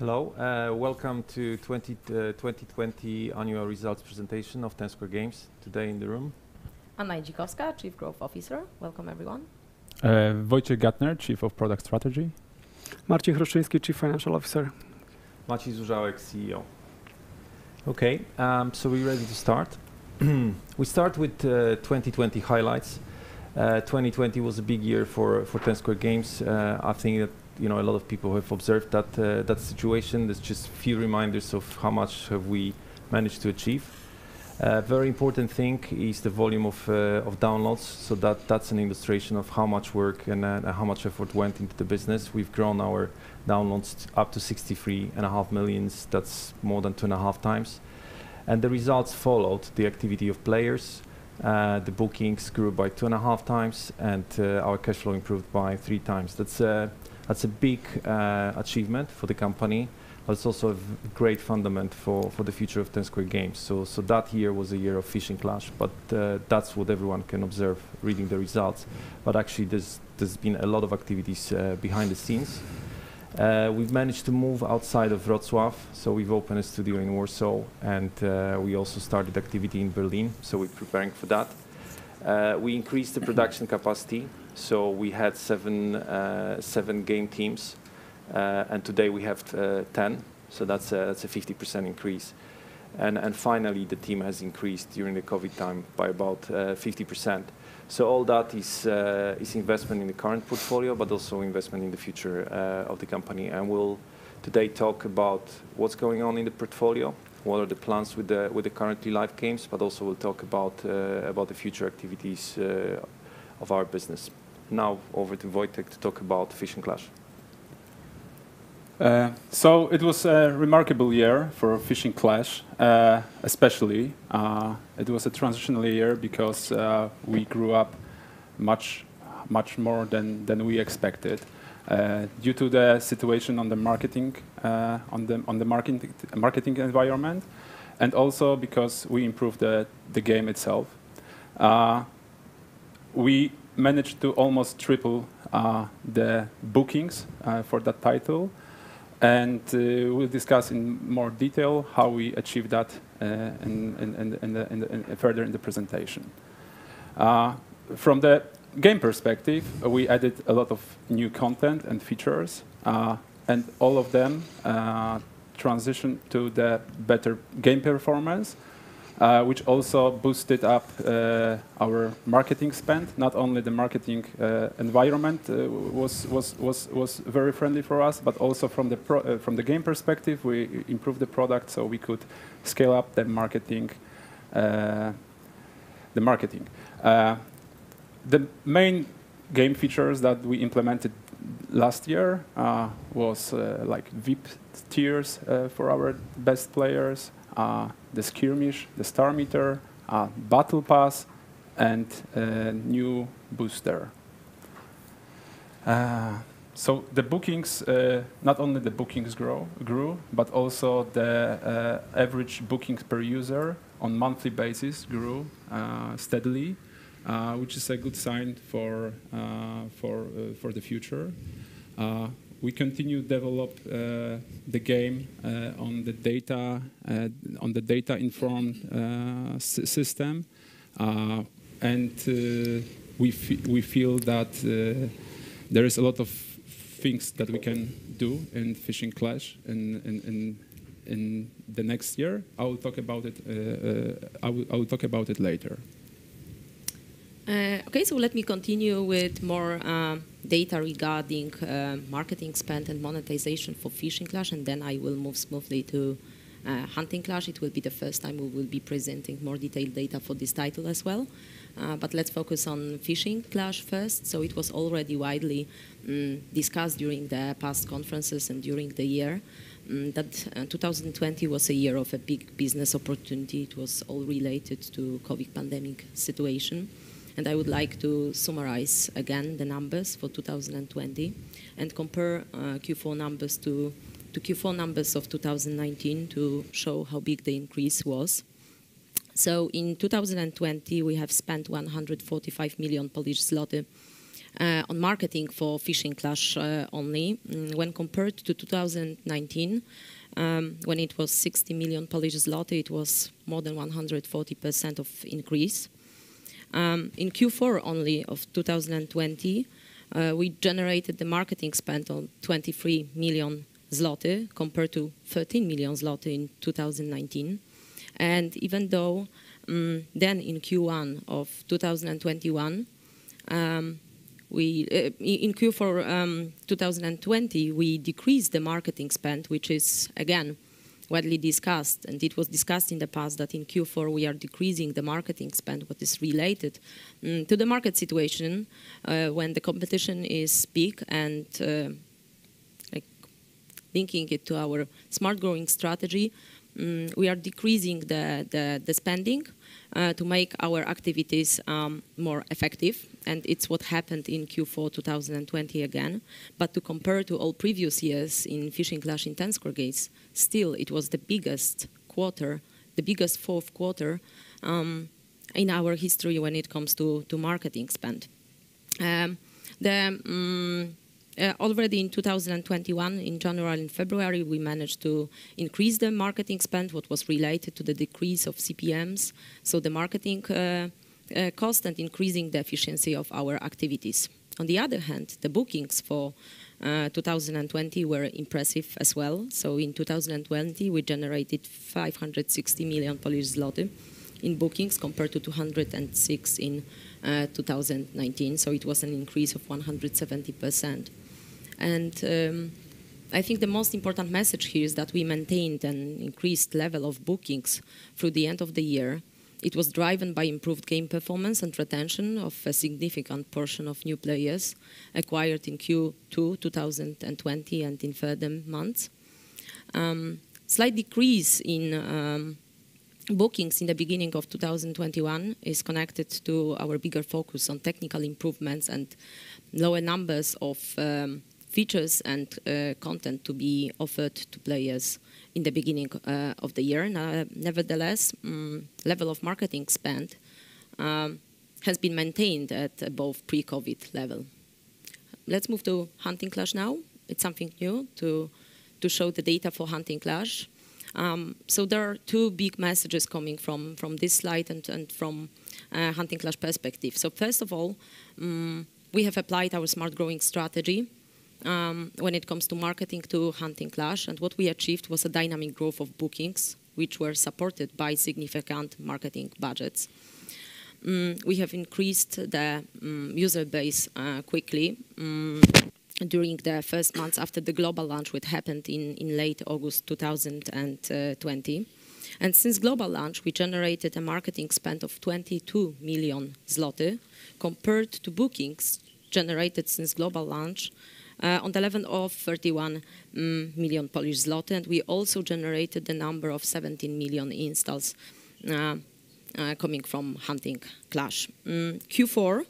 Hello. Welcome to 2020 annual results presentation of Ten Square Games, today in the room. Anna Idzikowska, Chief Growth Officer. Welcome everyone. Wojciech Gattner, Chief of Product Strategy. Marcin Chruszczyński, Chief Financial Officer. Maciej Zużałek, Chief Executive Officer. Okay, so we're ready to start. We start with 2020 highlights. 2020 was a big year for Ten Square Games. I think that a lot of people have observed that situation. There's just a few reminders of how much have we managed to achieve. A very important thing is the volume of downloads. That's an illustration of how much work and how much effort went into the business. We've grown our downloads up to 63.5 million. That's more than two and a half times. The results followed the activity of players. The bookings grew by two and a half times, and our cash flow improved by three times. That's a big achievement for the company, but it's also a great fundament for the future of Ten Square Games. That year was a year of Fishing Clash, but that's what everyone can observe reading the results. Actually, there's been a lot of activities behind the scenes. We've managed to move outside of Wrocław, so we've opened a studio in Warsaw, and we also started activity in Berlin, so we're preparing for that. We increased the production capacity. We had seven game teams, and today we have 10, so that's a 50% increase. Finally, the team has increased during the COVID time by about 50%. All that is investment in the current portfolio, but also investment in the future of the company. We'll today talk about what's going on in the portfolio, what are the plans with the currently live games, but also we'll talk about the future activities of our business. Now over to Wojciech to talk about Fishing Clash. It was a remarkable year for Fishing Clash, especially. It was a transitional year because we grew up much more than we expected due to the situation on the marketing environment and also because we improved the game itself. We managed to almost triple the bookings for that title, and we will discuss in more detail how we achieved that further in the presentation. From the game perspective, we added a lot of new content and features, and all of them transition to the better game performance, which also boosted up our marketing spend. Not only the marketing environment was very friendly for us, but also from the game perspective, we improved the product so we could scale up the marketing. The main game features that we implemented last year was VIP tiers for our best players, the Skirmish, the Star Meter, Battle Pass, and a new booster. Not only the bookings grew, but also the average bookings per user on monthly basis grew steadily, which is a good sign for the future. We continue to develop the game on the data-informed system. We feel that there is a lot of things that we can do in Fishing Clash in the next year. I will talk about it later. Let me continue with more data regarding marketing spend and monetization for Fishing Clash, and then I will move smoothly to Hunting Clash. It will be the first time we will be presenting more detailed data for this title as well. Let's focus on Fishing Clash first. It was already widely discussed during the past conferences and during the year, that 2020 was a year of a big business opportunity. It was all related to COVID pandemic situation. I would like to summarize again the numbers for 2020 and compare Q4 numbers to Q4 numbers of 2019 to show how big the increase was. In 2020, we have spent 145 million Polish zloty on marketing for Fishing Clash only. When compared to 2019, when it was 60 million Polish zloty, it was more than 140% of increase. In Q4 only of 2020, we generated the marketing spend on 23 million zloty compared to 13 million zloty in 2019. Even though then in Q4 2020, we decreased the marketing spend, which is again, widely discussed, and it was discussed in the past that in Q4 we are decreasing the marketing spend, but it's related to the market situation, when the competition is big and linking it to our smart growing strategy, we are decreasing the spending to make our activities more effective. It's what happened in Q4 2020 again. To compare to all previous years in Fishing Clash in Ten Square Games, still, it was the biggest fourth quarter in our history when it comes to marketing spend. Already in 2021, in January and February, we managed to increase the marketing spend, what was related to the decrease of CPMs, so the marketing cost and increasing the efficiency of our activities. On the other hand, the bookings for 2020 were impressive as well. In 2020, we generated 560 million Polish zloty in bookings compared to 206 in 2019. It was an increase of 170%. I think the most important message here is that we maintained an increased level of bookings through the end of the year. It was driven by improved game performance and retention of a significant portion of new players acquired in Q2 2020 and in further months. Slight decrease in bookings in the beginning of 2021 is connected to our bigger focus on technical improvements and lower numbers of features and content to be offered to players in the beginning of the year. Nevertheless, level of marketing spend has been maintained at above pre-COVID level. Let's move to Hunting Clash now. It's something new to show the data for Hunting Clash. There are two big messages coming from this slide and from Hunting Clash perspective. First of all, we have applied our smart growing strategy when it comes to marketing to Hunting Clash. What we achieved was a dynamic growth of bookings, which were supported by significant marketing budgets. We have increased the user base quickly during the first months after the global launch, which happened in late August 2020. Since global launch, we generated a marketing spend of 22 million zloty compared to bookings generated since global launch on the level of 31 million Polish zloty. We also generated the number of 17 million installs coming from Hunting Clash. Q1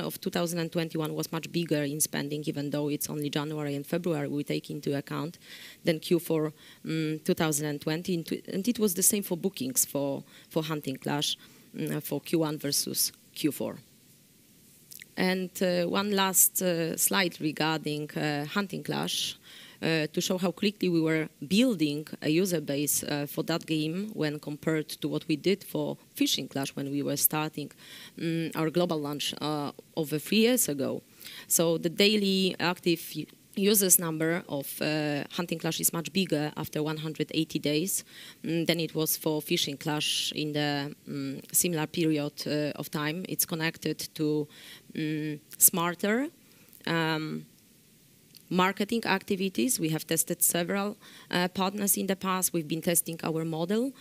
of 2021 was much bigger in spending, even though it's only January and February we take into account, than Q4 2020. It was the same for bookings for Hunting Clash for Q1 versus Q4. One last slide regarding Hunting Clash, to show how quickly we were building a user base for that game when compared to what we did for Fishing Clash when we were starting our global launch over three years ago. The daily active users number of Hunting Clash is much bigger after 180 days than it was for Fishing Clash in the similar period of time. It's connected to smarter marketing activities. We have tested several partners in the past. We've been testing our model,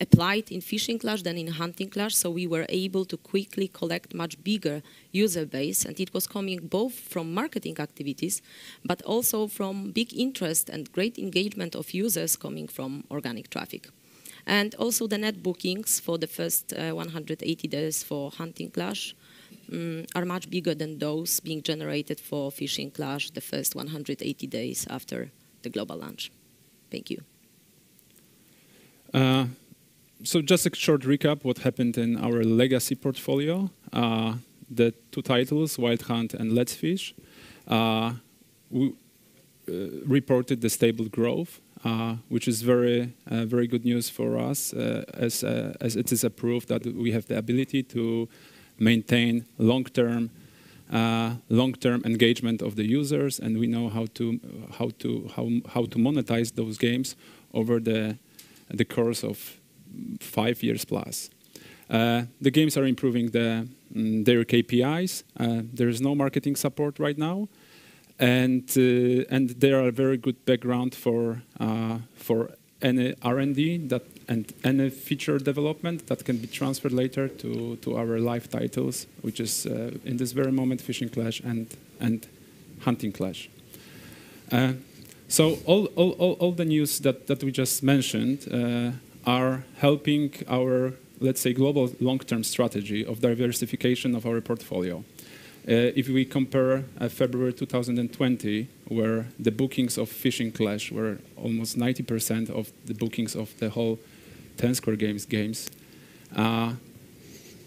applied in Fishing Clash than in Hunting Clash. We were able to quickly collect much bigger user base, and it was coming both from marketing activities, but also from big interest and great engagement of users coming from organic traffic. The net bookings for the first 180 days for Hunting Clash are much bigger than those being generated for Fishing Clash the first 180 days after the global launch. Thank you. Just a short recap what happened in our legacy portfolio. The two titles, "Wild Hunt" and "Let's Fish", reported the stable growth, which is very good news for us, as it is a proof that we have the ability to maintain long-term engagement of the users, and we know how to monetize those games over the course of five years plus. The games are improving their KPIs. There is no marketing support right now. They are a very good background for any R&D and any future development that can be transferred later to our live titles, which is, in this very moment, "Fishing Clash" and "Hunting Clash". All the news that we just mentioned are helping our, let's say, global long-term strategy of diversification of our portfolio. If we compare February 2020, where the bookings of Fishing Clash were almost 90% of the bookings of the whole Ten Square Games games,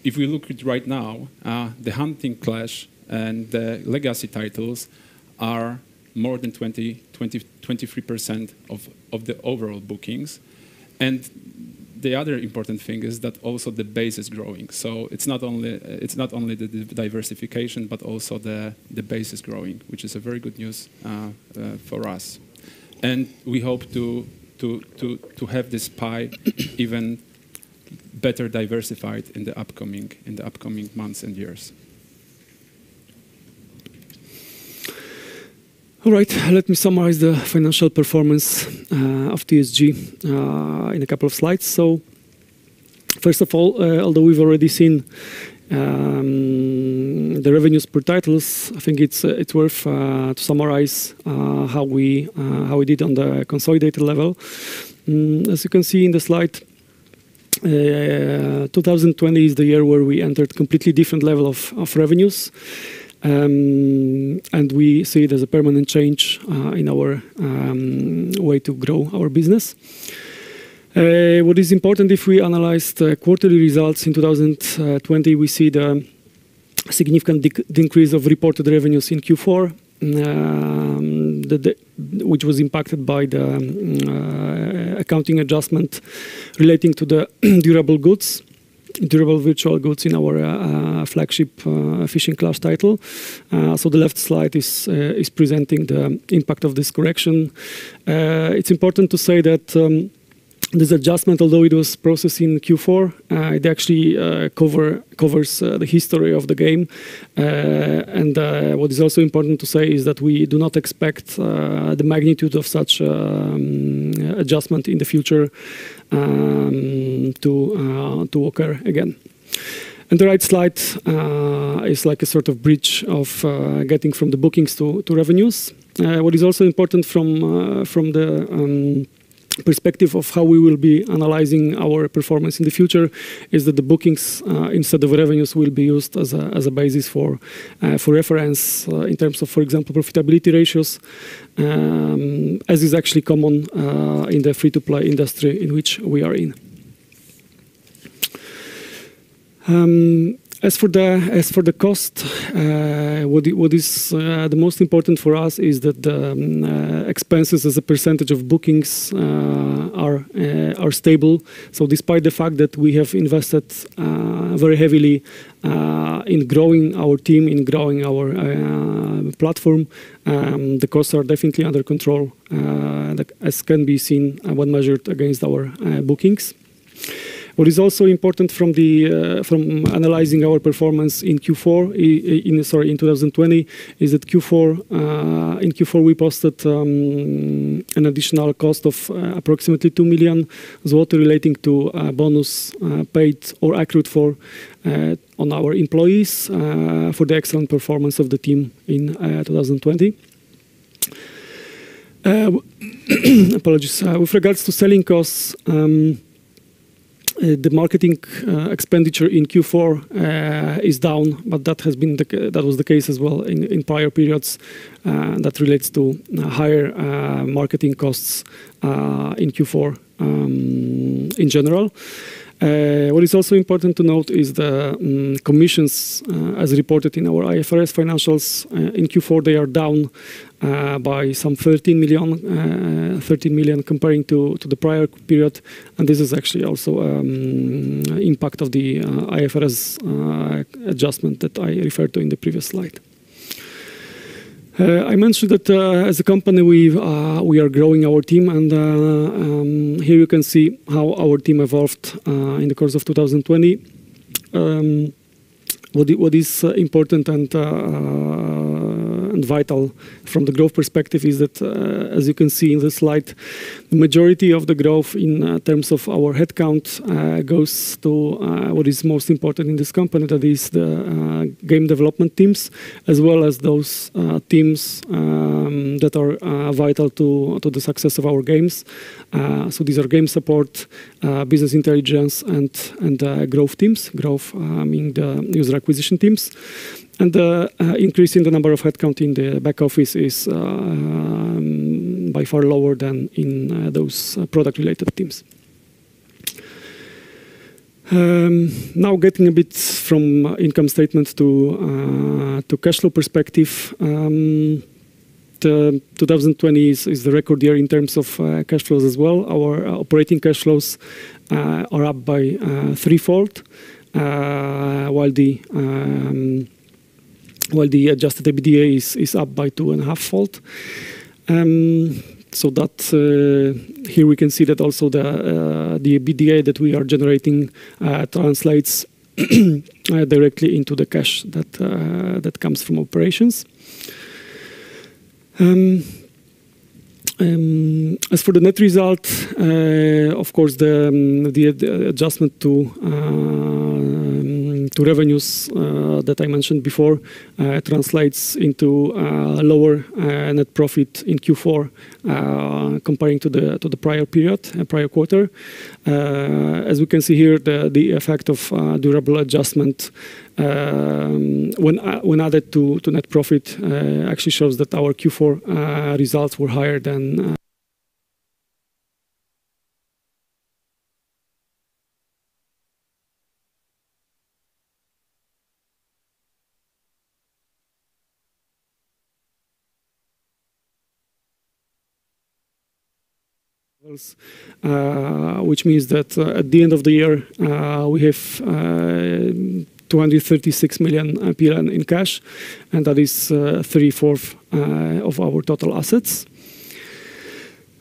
if we look at right now, the Hunting Clash and the legacy titles are more than 23% of the overall bookings. The other important thing is that also the base is growing. It's not only the diversification, but also the base is growing, which is a very good news for us. We hope to have this pie even better diversified in the upcoming months and years. All right, let me summarize the financial performance of TSG in a couple of slides. First of all, although we've already seen the revenues per titles, I think it's worth to summarize how we did on the consolidated level. As you can see in the slide, 2020 is the year where we entered completely different level of revenues. We see it as a permanent change in our way to grow our business. What is important, if we analyze the quarterly results in 2020, we see the significant decrease of reported revenues in Q4, which was impacted by the accounting adjustment relating to the durable virtual goods in our flagship Fishing Clash title. The left slide is presenting the impact of this correction. It's important to say that this adjustment, although it was processed in Q4, it actually covers the history of the game. What is also important to say is that we do not expect the magnitude of such adjustment in the future to occur again. The right slide is like a sort of bridge of getting from the bookings to revenues. What is also important from the perspective of how we will be analyzing our performance in the future is that the bookings, instead of revenues, will be used as a basis for reference in terms of, for example, profitability ratios, as is actually common in the free-to-play industry in which we are in. As for the cost, what is the most important for us is that the expenses as a % of bookings are stable. Despite the fact that we have invested very heavily in growing our team, in growing our platform, the costs are definitely under control, as can be seen when measured against our bookings. What is also important from analyzing our performance in 2020 is that in Q4 we posted an additional cost of approximately 2 million zloty relating to bonus paid or accrued for on our employees, for the excellent performance of the team in 2020. Apologies. With regards to selling costs, the marketing expenditure in Q4 is down. That was the case as well in prior periods. That relates to higher marketing costs in Q4, in general. What is also important to note is the commissions, as reported in our IFRS financials. In Q4, they are down by some 13 million comparing to the prior period. This is actually also impact of the IFRS adjustment that I referred to in the previous slide. I mentioned that as a company, we are growing our team, and here you can see how our team evolved in the course of 2020. What is important and vital from the growth perspective is that, as you can see in the slide, the majority of the growth in terms of our headcount goes to what is most important in this company. That is the game development teams, as well as those teams that are vital to the success of our games. These are game support, business intelligence, and growth teams. Growth meaning the user acquisition teams. The increase in the number of headcount in the back office is by far lower than in those product-related teams. Getting a bit from income statements to cash flow perspective. The 2020 is the record year in terms of cash flows as well. Our operating cash flows are up by 3-fold, while the adjusted EBITDA is up by 2.5-fold. Here we can see that also the EBITDA that we are generating translates directly into the cash that comes from operations. As for the net result, of course, the adjustment to revenues that I mentioned before translates into a lower net profit in Q4 comparing to the prior period, prior quarter. As we can see here, the effect of durable adjustment when added to net profit actually shows that our Q4 results were higher than which means that at the end of the year, we have 236 million PLN in cash, and that is three-fourth of our total assets.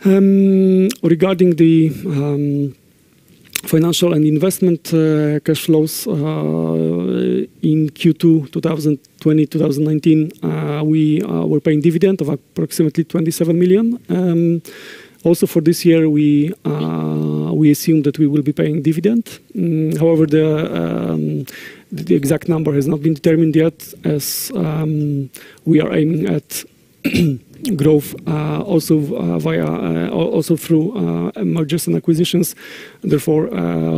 Regarding the financial and investment cash flows, in Q2 2019, we were paying dividend of approximately 27 million. Also for this year, we assume that we will be paying dividend. However, the exact number has not been determined yet as we are aiming at growth, also through mergers and acquisitions. Therefore,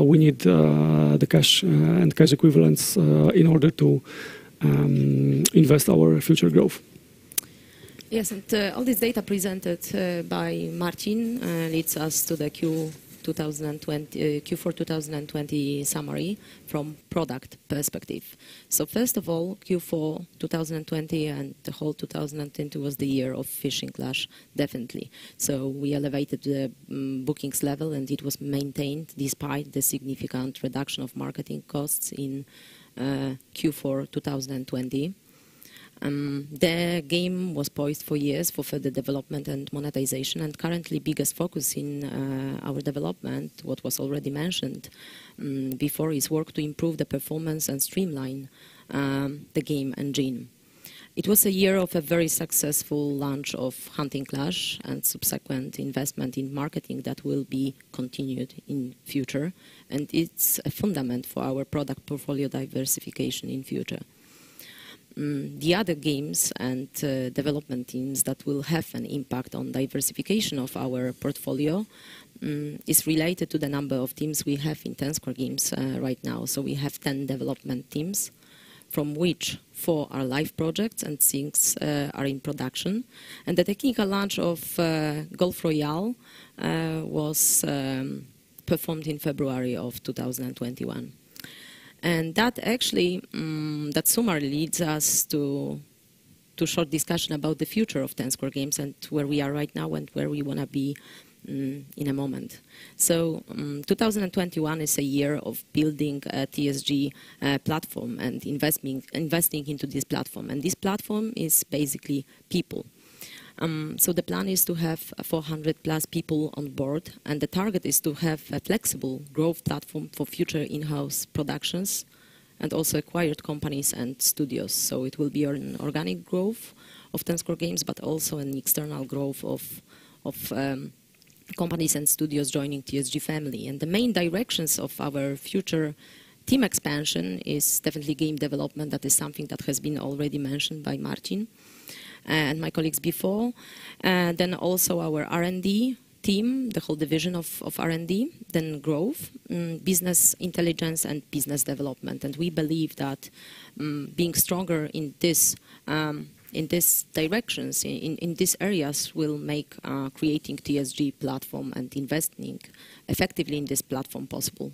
we need the cash and cash equivalents in order to invest our future growth. Yes. All this data presented by Marcin leads us to the Q4 2020 summary from product perspective. First of all, Q4 2020 and the whole 2020 was the year of Fishing Clash, definitely. We elevated the bookings level, and it was maintained despite the significant reduction of marketing costs in Q4 2020. The game was poised for years for further development and monetization, and currently biggest focus in our development, what was already mentioned before, is work to improve the performance and streamline the game engine. It was a year of a very successful launch of Hunting Clash and subsequent investment in marketing that will be continued in future. It's a fundament for our product portfolio diversification in future. The other games and development teams that will have an impact on diversification of our portfolio is related to the number of teams we have in Ten Square Games right now. We have 10 development teams, from which four are live projects and six are in production. The technical launch of Golf Royale was performed in February of 2021. That summary leads us to short discussion about the future of Ten Square Games and where we are right now and where we want to be in a moment. 2021 is a year of building a TSG platform and investing into this platform. This platform is basically people. The plan is to have 400+ people on board, and the target is to have a flexible growth platform for future in-house productions and also acquired companies and studios. It will be an organic growth of Ten Square Games, but also an external growth of companies and studios joining TSG family. The main directions of our future team expansion is definitely game development. That is something that has been already mentioned by Marcin and my colleagues before. Also our R&D team, the whole division of R&D, growth, business intelligence, and business development. We believe that being stronger in these directions, in these areas, will make creating TSG platform and investing effectively in this platform possible.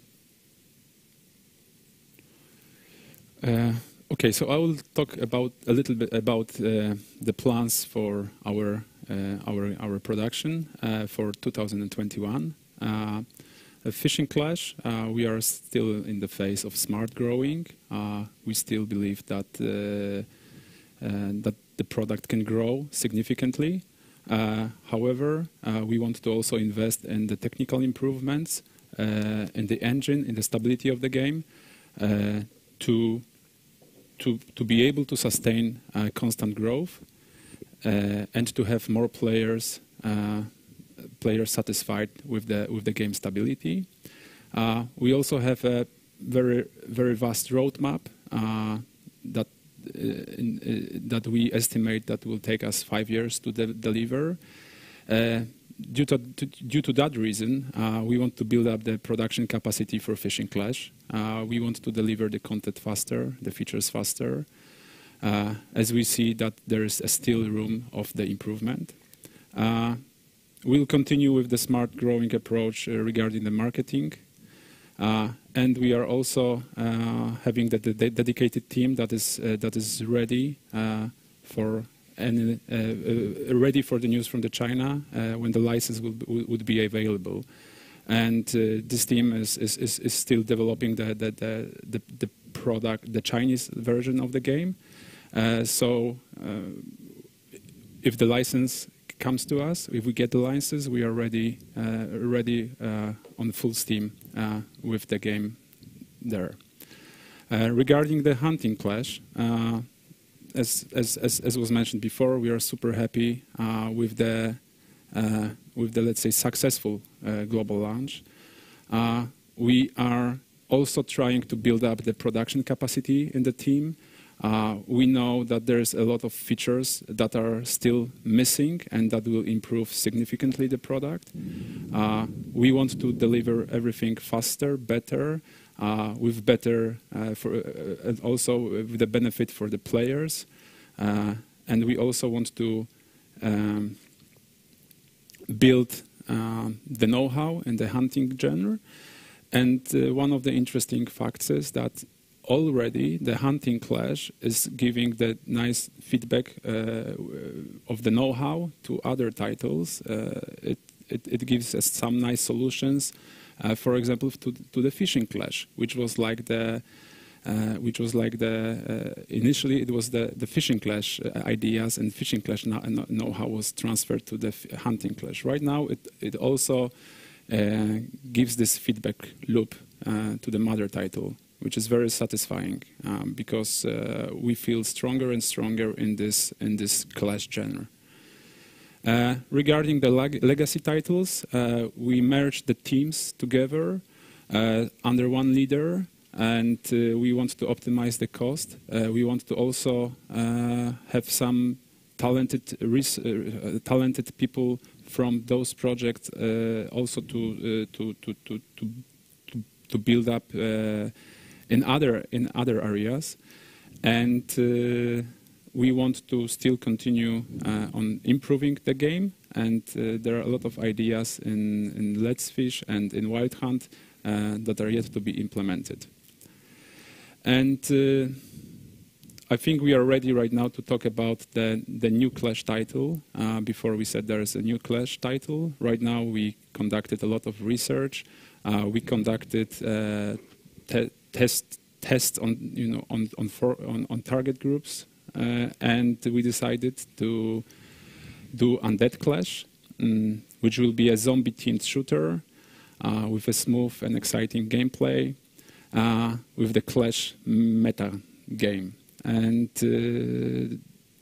Okay, I will talk a little bit about the plans for our production for 2021. Fishing Clash, we are still in the phase of smart growing. We still believe that the product can grow significantly. However, we want to also invest in the technical improvements, in the engine, in the stability of the game, to be able to sustain constant growth, and to have more players satisfied with the game stability. We also have a very vast roadmap, that we estimate that will take us five years to deliver. Due to that reason, we want to build up the production capacity for Fishing Clash. We want to deliver the content faster, the features faster, as we see that there is still room of the improvement. We'll continue with the smart growing approach regarding the marketing. We are also having the dedicated team that is ready for the news from China, when the license would be available. This team is still developing the Chinese version of the game. If the license comes to us, if we get the license, we are ready on full steam with the game there. Regarding Hunting Clash, as was mentioned before, we are super happy with the, let's say, successful global launch. We are also trying to build up the production capacity in the team. We know that there's a lot of features that are still missing and that will improve significantly the product. We want to deliver everything faster, better, and also with the benefit for the players. We also want to build the know-how in the hunting genre. One of the interesting facts is that already the Hunting Clash is giving the nice feedback of the know-how to other titles. It gives us some nice solutions. For example, to the Fishing Clash. Initially, it was the Fishing Clash ideas and Fishing Clash know-how was transferred to the Hunting Clash. Right now, it also gives this feedback loop to the mother title, which is very satisfying, because we feel stronger and stronger in this Clash genre. Regarding the legacy titles, we merged the teams together under one leader, and we want to optimize the cost. We want to also have some talented people from those projects also to build up in other areas. We want to still continue on improving the game, and there are a lot of ideas in Let's Fish and in Wild Hunt that are yet to be implemented. I think we are ready right now to talk about the new Clash title. Before, we said there is a new Clash title. Right now, we conducted a lot of research. We conducted tests on target groups, and we decided to do Undead Clash, which will be a zombie-themed shooter with a smooth and exciting gameplay, with the Clash meta game.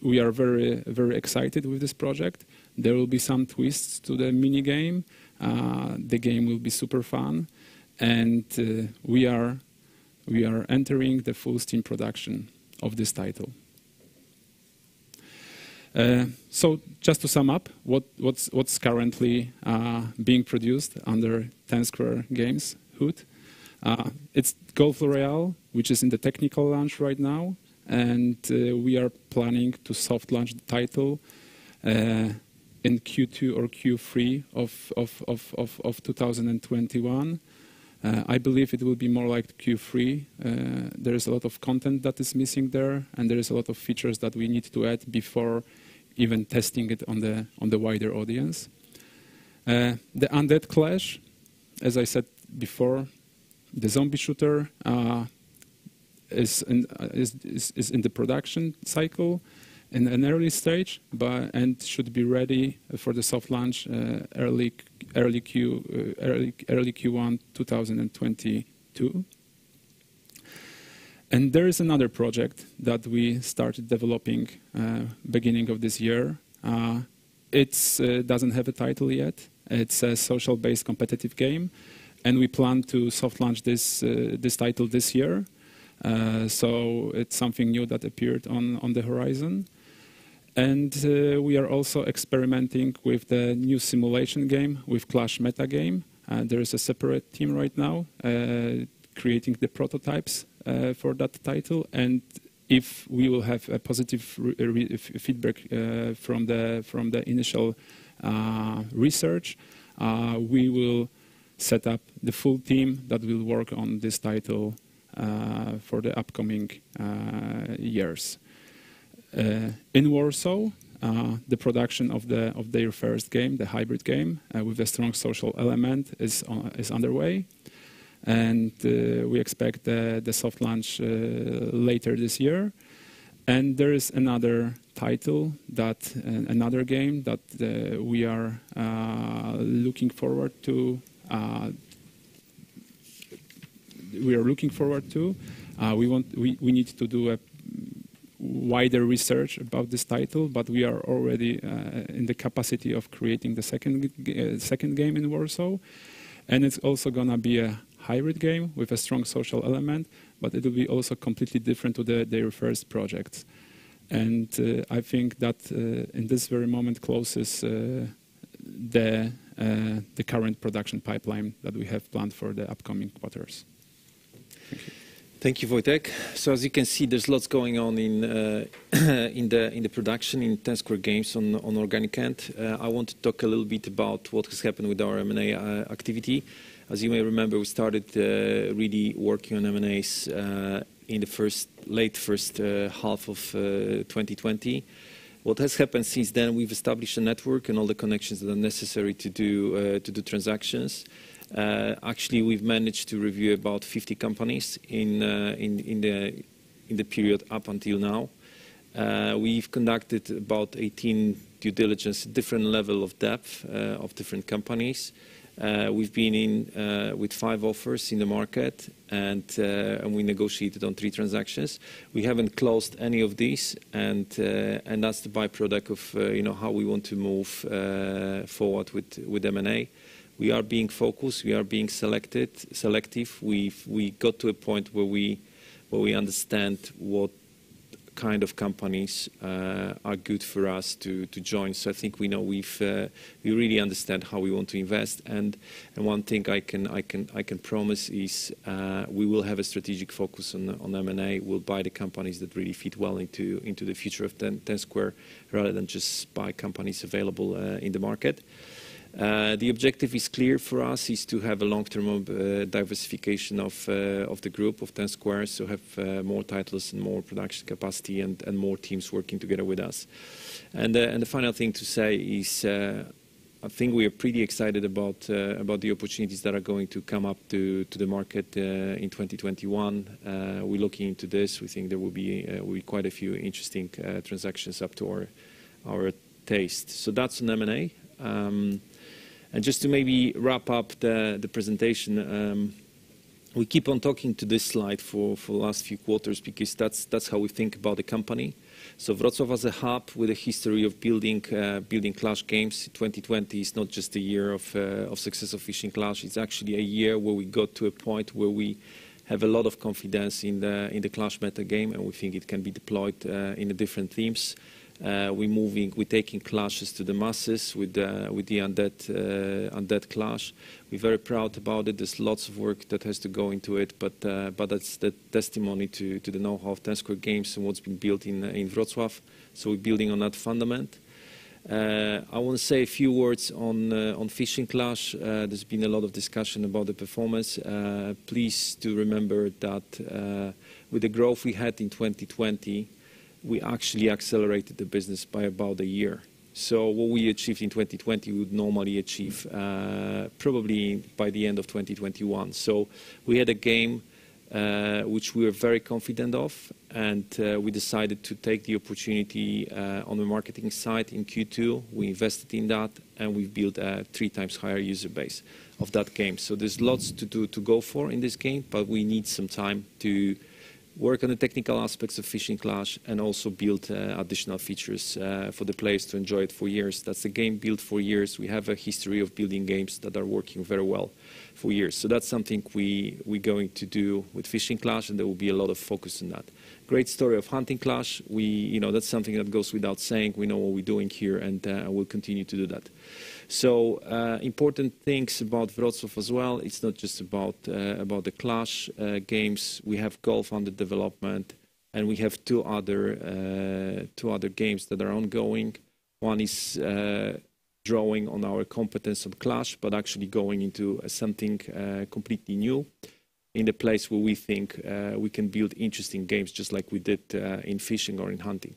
We are very excited with this project. There will be some twists to the mini-game. The game will be super fun, and we are entering the full-steam production of this title. Just to sum up what's currently being produced under Ten Square Games' hood. It's Golf Royale, which is in the technical launch right now, and we are planning to soft launch the title in Q2 or Q3 of 2021. I believe it will be more like Q3. There is a lot of content that is missing there, and there is a lot of features that we need to add before even testing it on the wider audience. The Undead Clash, as I said before, the zombie shooter, is in the production cycle in an early stage and should be ready for the soft launch early Q1 2022. There is another project that we started developing beginning of this year. It doesn't have a title yet. It's a social-based competitive game, and we plan to soft launch this title this year. It's something new that appeared on the horizon. We are also experimenting with the new simulation game with Clash meta game. There is a separate team right now creating the prototypes for that title, and if we will have a positive feedback from the initial research, we will set up the full team that will work on this title for the upcoming years. In Warsaw, the production of their first game, the hybrid game with a strong social element, is underway. We expect the soft launch later this year. There is another title, another game that we are looking forward to. We need to do a wider research about this title, but we are already in the capacity of creating the second game in Warsaw, and it's also going to be a hybrid game with a strong social element, but it will be also completely different to their first project. I think that in this very moment closes the current production pipeline that we have planned for the upcoming quarters. Thank you, Wojciech. As you can see, there's lots going on in the production in Ten Square Games on Organic end. I want to talk a little bit about what has happened with our M&A activity. As you may remember, we started really working on M&As in the late first half of 2020. What has happened since then, we've established a network and all the connections that are necessary to do transactions. We've managed to review about 50 companies in the period up until now. We've conducted about 18 due diligence, different level of depth of different companies. We've been in with five offers in the market, and we negotiated on three transactions. We haven't closed any of these, and that's the byproduct of how we want to move forward with M&A. We are being focused. We are being selective. We got to a point where we understand what kind of companies are good for us to join. I think we know We really understand how we want to invest, and one thing I can promise is, we will have a strategic focus on M&A. We'll buy the companies that really fit well into the future of Ten Square rather than just buy companies available in the market. The objective is clear for us, is to have a long-term diversification of the group of Ten Square, so have more titles and more production capacity and more teams working together with us. The final thing to say is, I think we are pretty excited about the opportunities that are going to come up to the market in 2021. We're looking into this. We think there will be quite a few interesting transactions up to our taste. That's on M&A. Just to maybe wrap up the presentation. We keep on talking to this slide for the last few quarters because that's how we think about the company. Wrocław was a hub with a history of building Clash games. 2020 is not just a year of success of Fishing Clash. It's actually a year where we got to a point where we have a lot of confidence in the Clash meta game, and we think it can be deployed in the different themes. We're taking Clashes to the masses with the Undead Clash. We're very proud about it. There's lots of work that has to go into it, but that's the testimony to the know-how of Ten Square Games and what's been built in Wrocław. We're building on that fundament. I want to say a few words on Fishing Clash. There's been a lot of discussion about the performance. Please do remember that with the growth we had in 2020, we actually accelerated the business by about a year. What we achieved in 2020, we'd normally achieve probably by the end of 2021. We had a game, which we are very confident of, and we decided to take the opportunity, on the marketing side in Q2. We invested in that, and we've built a three times higher user base of that game. There's lots to do to go for in this game, but we need some time to work on the technical aspects of Fishing Clash and also build additional features for the players to enjoy it for years. That's a game built for years. We have a history of building games that are working very well for years. That's something we're going to do with Fishing Clash, and there will be a lot of focus on that. Great story of Hunting Clash. That's something that goes without saying. We know what we're doing here, and we'll continue to do that. Important things about Wrocław as well. It's not just about the Clash games. We have golf under development, and we have two other games that are ongoing. One is drawing on our competence of Clash, but actually going into something completely new in the place where we think we can build interesting games, just like we did in fishing or in hunting.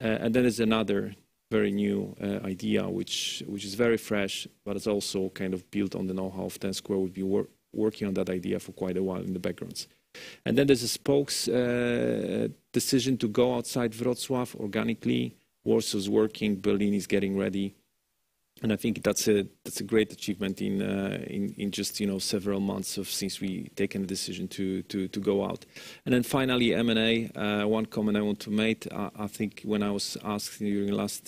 There's another very new idea, which is very fresh, but it's also built on the know-how of Ten Square. We've been working on that idea for quite a while in the background. There's a strategic decision to go outside Wrocław organically. Warsaw's working, Berlin is getting ready, and I think that's a great achievement in just several months since we've taken the decision to go out. Finally, M&A. One comment I want to make, I think when I was asked during the last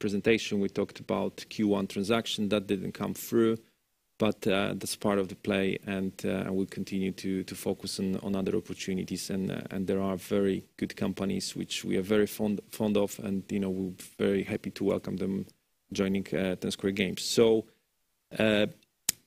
presentation, we talked about Q1 transaction. That didn't come through, but that's part of the play, and I will continue to focus on other opportunities. There are very good companies which we are very fond of, and we're very happy to welcome them joining Ten Square Games.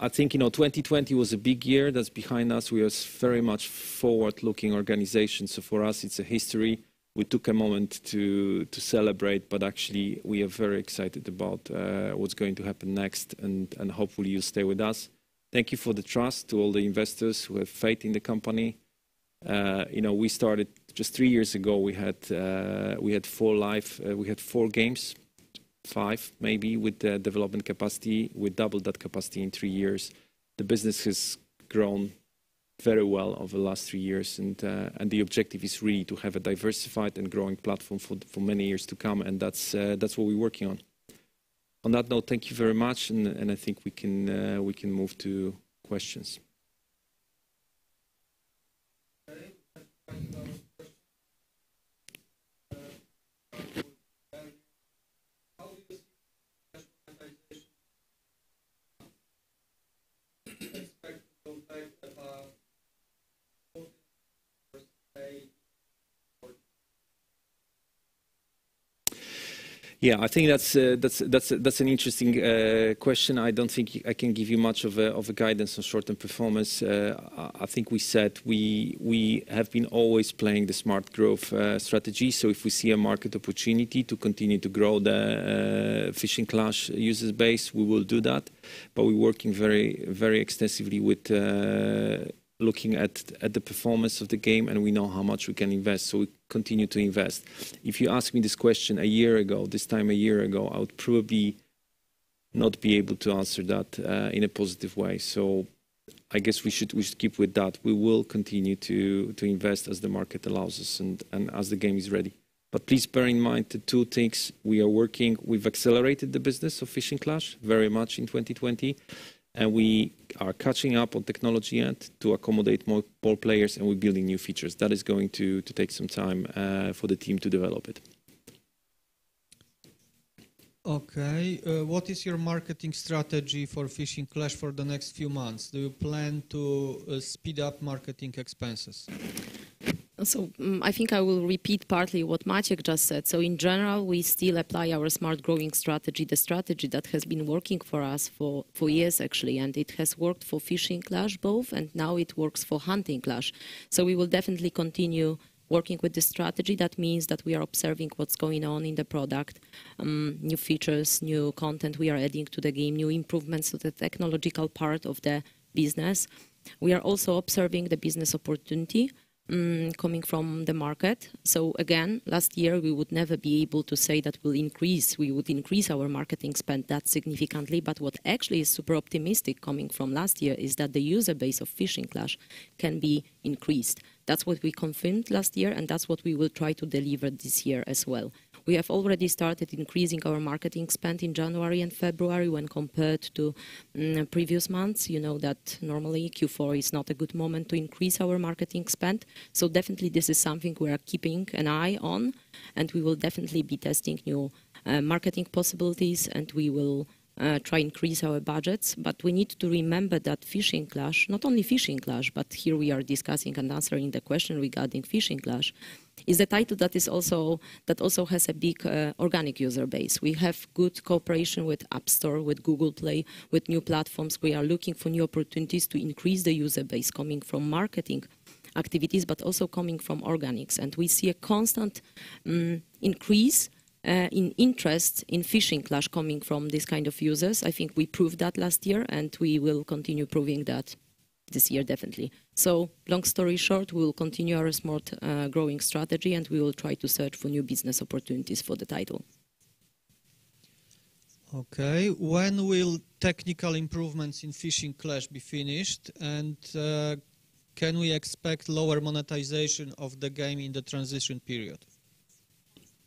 I think 2020 was a big year that's behind us. We are very much a forward-looking organization. For us, it's history. We took a moment to celebrate, but actually we are very excited about what's going to happen next, and hopefully, you'll stay with us. Thank you for the trust to all the investors who have faith in the company. We started just three years ago. We had four games, five maybe, with the development capacity. We doubled that capacity in three years. The business has grown very well over the last three years, and the objective is really to have a diversified and growing platform for many years to come, and that's what we're working on. On that note, thank you very much, and I think we can move to questions. I think that's an interesting question. I don't think I can give you much of a guidance on short-term performance. I think we said we have been always playing the smart growth strategy. If we see a market opportunity to continue to grow the Fishing Clash users base, we will do that. We're working very extensively with looking at the performance of the game, and we know how much we can invest, so we continue to invest. If you asked me this question a year ago, this time a year ago, I would probably not be able to answer that in a positive way. I guess we should keep with that. We will continue to invest as the market allows us and as the game is ready. Please bear in mind the two things. We are working. We've accelerated the business of Fishing Clash very much in 2020, and we are catching up on technology to accommodate more players, and we're building new features. That is going to take some time for the team to develop it. Okay. What is your marketing strategy for Fishing Clash for the next few months? Do you plan to speed up marketing expenses? I think I will repeat partly what Maciej just said. In general, we still apply our smart growing strategy, the strategy that has been working for us for years, actually, and it has worked for Fishing Clash both, and now it works for Hunting Clash. We will definitely continue working with this strategy. That means that we are observing what's going on in the product, new features, new content we are adding to the game, new improvements to the technological part of the business. We are also observing the business opportunity coming from the market. Again, last year, we would never be able to say that we would increase our marketing spend that significantly. What actually is super optimistic coming from last year is that the user base of Fishing Clash can be increased. That's what we confirmed last year, and that's what we will try to deliver this year as well. We have already started increasing our marketing spend in January and February when compared to previous months. You know that normally Q4 is not a good moment to increase our marketing spend. Definitely this is something we are keeping an eye on, and we will definitely be testing new marketing possibilities, and we will try to increase our budgets. We need to remember that Fishing Clash, not only Fishing Clash, but here we are discussing and answering the question regarding Fishing Clash, is a title that also has a big organic user base. We have good cooperation with App Store, with Google Play, with new platforms. We are looking for new opportunities to increase the user base coming from marketing activities, but also coming from organics. We see a constant increase in interest in Fishing Clash coming from these kind of users. I think we proved that last year, and we will continue proving that this year, definitely. Long story short, we will continue our smart growing strategy, and we will try to search for new business opportunities for the title. Okay. When will technical improvements in Fishing Clash be finished? Can we expect lower monetization of the game in the transition period?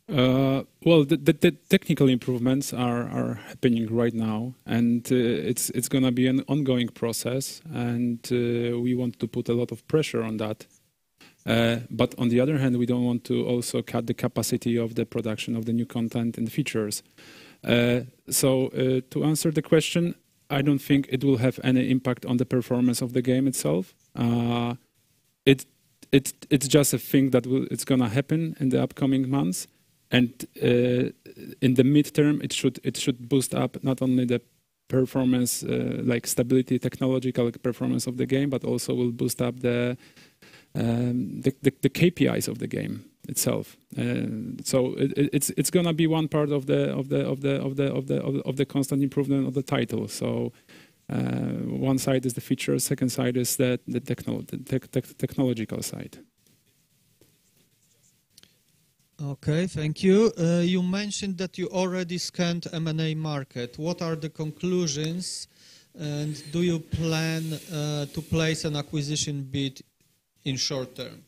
The technical improvements are happening right now, and it's going to be an ongoing process, and we want to put a lot of pressure on that. On the other hand, we don't want to also cut the capacity of the production of the new content and features. To answer the question, I don't think it will have any impact on the performance of the game itself. It's just a thing that it's going to happen in the upcoming months. In the midterm, it should boost up not only the performance, like stability, technological performance of the game, but also will boost up the KPIs of the game itself. It's going to be one part of the constant improvement of the title. One side is the feature, second side is the technological side. Okay. Thank you. You mentioned that you already scanned M&A market. What are the conclusions? Do you plan to place an acquisition bid in short term?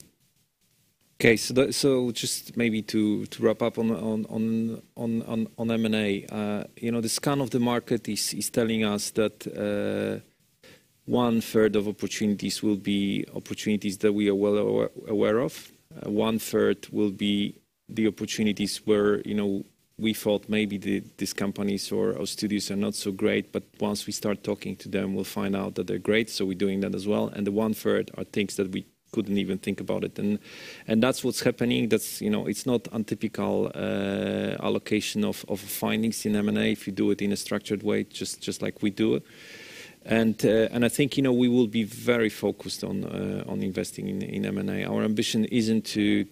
Okay. Just maybe to wrap up on M&A. The scan of the market is telling us that one-third of opportunities will be opportunities that we are well aware of. One-third will be the opportunities where we thought maybe these companies or studios are not so great, but once we start talking to them, we'll find out that they're great, so we're doing that as well. The one-third are things that we couldn't even think about. That's what's happening. It's not untypical allocation of findings in M&A if you do it in a structured way, just like we do. I think we will be very focused on investing in M&A. Our ambition isn't to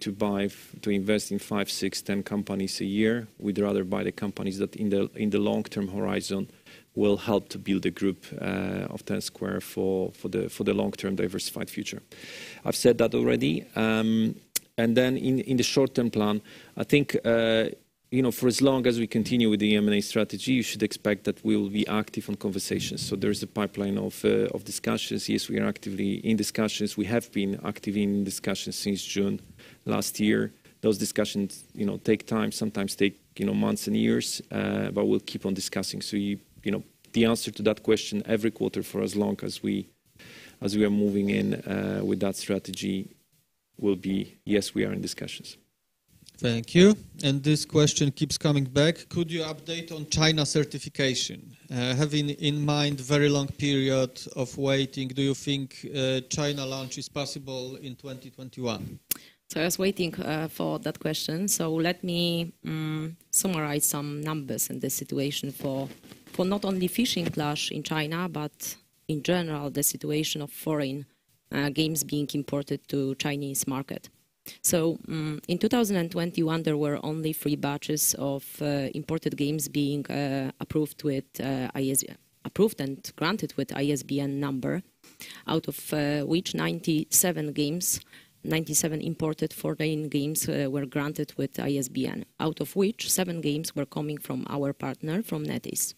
invest in five, six, 10 companies a year. We'd rather buy the companies that in the long-term horizon will help to build a group of Ten Square for the long-term diversified future. I've said that already. In the short-term plan, I think for as long as we continue with the M&A strategy, you should expect that we will be active in conversations. There is a pipeline of discussions. Yes, we are actively in discussions. We have been active in discussions since June last year. Those discussions take time, sometimes take months and years. We'll keep on discussing. The answer to that question every quarter for as long as we are moving in with that strategy will be, yes, we are in discussions. Thank you. This question keeps coming back. Could you update on China certification? Having in mind very long period of waiting, do you think China launch is possible in 2021? I was waiting for that question. Let me summarize some numbers in this situation for not only Fishing Clash in China, but in general, the situation of foreign games being imported to Chinese market. In 2021, there were only three batches of imported games being approved and granted with ISBN number. Out of which, 97 games, 97 imported foreign games were granted with ISBN. Out of which, seven games were coming from our partner, from NetEase.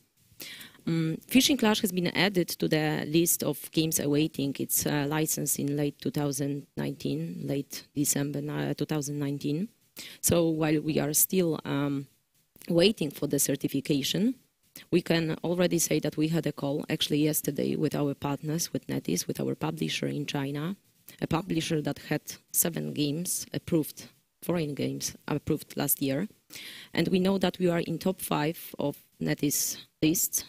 Fishing Clash has been added to the list of games awaiting its license in late 2019, late December 2019. While we are still waiting for the certification, we can already say that we had a call, actually yesterday, with our partners, with NetEase, with our publisher in China, a publisher that had seven foreign games approved last year. We know that we are in top five of NetEase lists.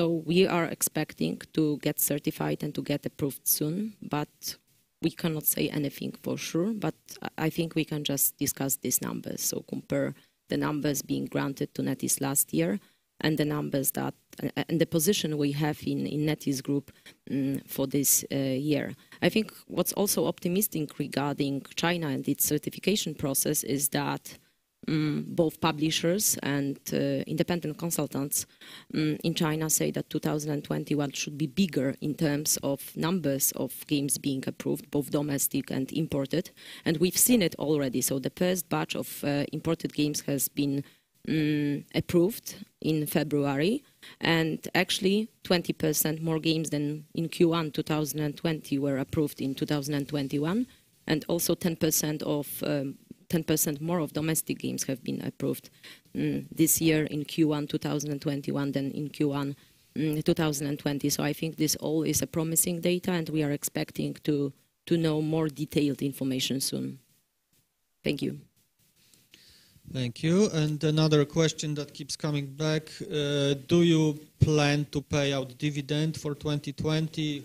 We are expecting to get certified and to get approved soon, but we cannot say anything for sure. I think we can just discuss these numbers, compare the numbers being granted to NetEase last year and the position we have in NetEase group for this year. I think what's also optimistic regarding China and its certification process is that both publishers and independent consultants in China say that 2021 should be bigger in terms of numbers of games being approved, both domestic and imported. We've seen it already. The first batch of imported games has been approved in February, and actually, 20% more games than in Q1 2020 were approved in 2021. Also 10% more of domestic games have been approved this year in Q1 2021 than in Q1 2020. I think this all is a promising data, and we are expecting to know more detailed information soon. Thank you. Thank you. Another question that keeps coming back. Do you plan to pay out dividend for 2020?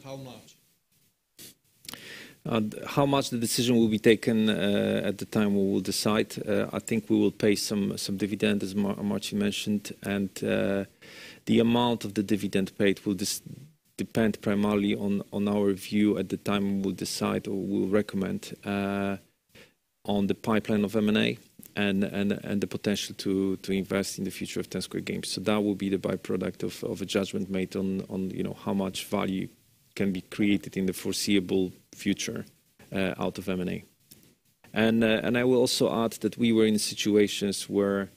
How much? The decision will be taken at the time we will decide. I think we will pay some dividend, as Marcin mentioned. The amount of the dividend paid will depend primarily on our view at the time we'll decide or we'll recommend. On the pipeline of M&A and the potential to invest in the future of Ten Square Games. That will be the byproduct of a judgment made on how much value can be created in the foreseeable future out of M&A. I will also add that we were in situations where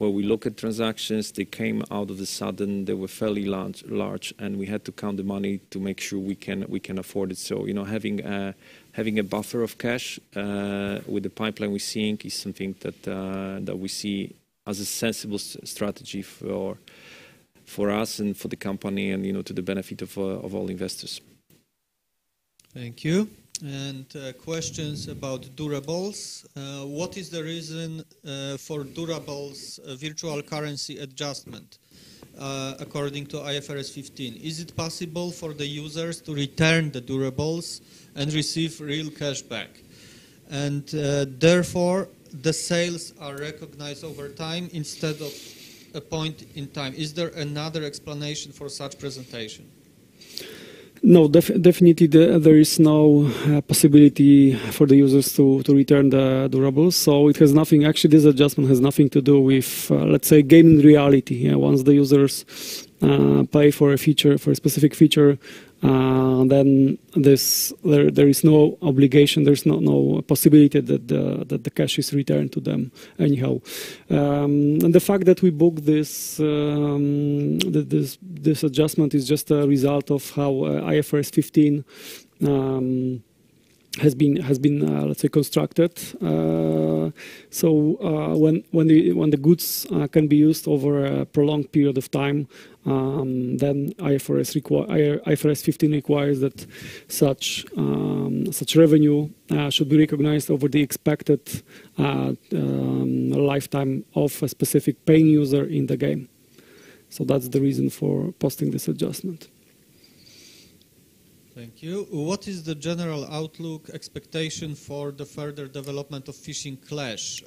we look at transactions, they came out of the sudden, they were fairly large, and we had to count the money to make sure we can afford it. Having a buffer of cash with the pipeline we're seeing is something that we see as a sensible strategy for us and for the company and to the benefit of all investors. Thank you. Questions about durables. What is the reason for durables' virtual currency adjustment according to IFRS 15? Is it possible for the users to return the durables and receive real cash back? Therefore, the sales are recognized over time instead of a point in time. Is there another explanation for such presentation? No, definitely, there is no possibility for the users to return the durables. Actually, this adjustment has nothing to do with, let's say, gaming reality. Once the users pay for a specific feature, then there is no obligation, there's no possibility that the cash is returned to them anyhow. The fact that we book this adjustment is just a result of how IFRS 15 has been, let's say, constructed. When the goods can be used over a prolonged period of time, then IFRS 15 requires that such revenue should be recognized over the expected lifetime of a specific paying user in the game. That's the reason for posting this adjustment. Thank you. What is the general outlook expectation for the further development of Fishing Clash,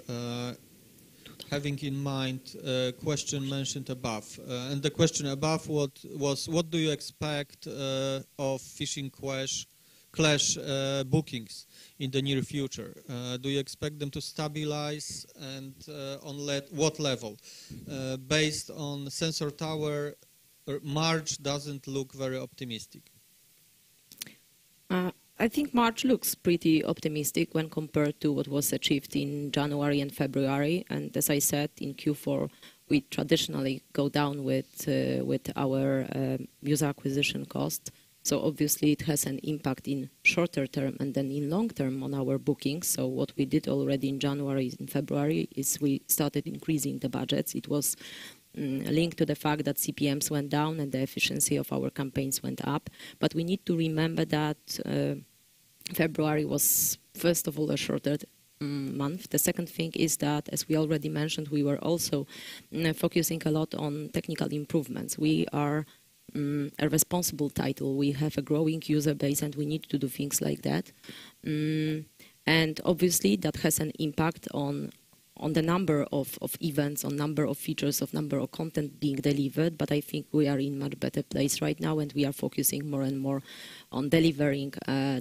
having in mind question mentioned above? The question above was: What do you expect of Fishing Clash bookings in the near future? Do you expect them to stabilize and on what level? Based on Sensor Tower, March doesn't look very optimistic. I think March looks pretty optimistic when compared to what was achieved in January and February. As I said, in Q4, we traditionally go down with our user acquisition cost. Obviously, it has an impact in shorter term and then in long term on our bookings. What we did already in January and February is we started increasing the budgets. It was linked to the fact that CPMs went down and the efficiency of our campaigns went up. We need to remember that February was, first of all, a shorter month. The second thing is that, as we already mentioned, we were also focusing a lot on technical improvements. We are a responsible title. We have a growing user base, and we need to do things like that. Obviously, that has an impact on the number of events, on number of features, of number of content being delivered. I think we are in much better place right now, and we are focusing more and more on delivering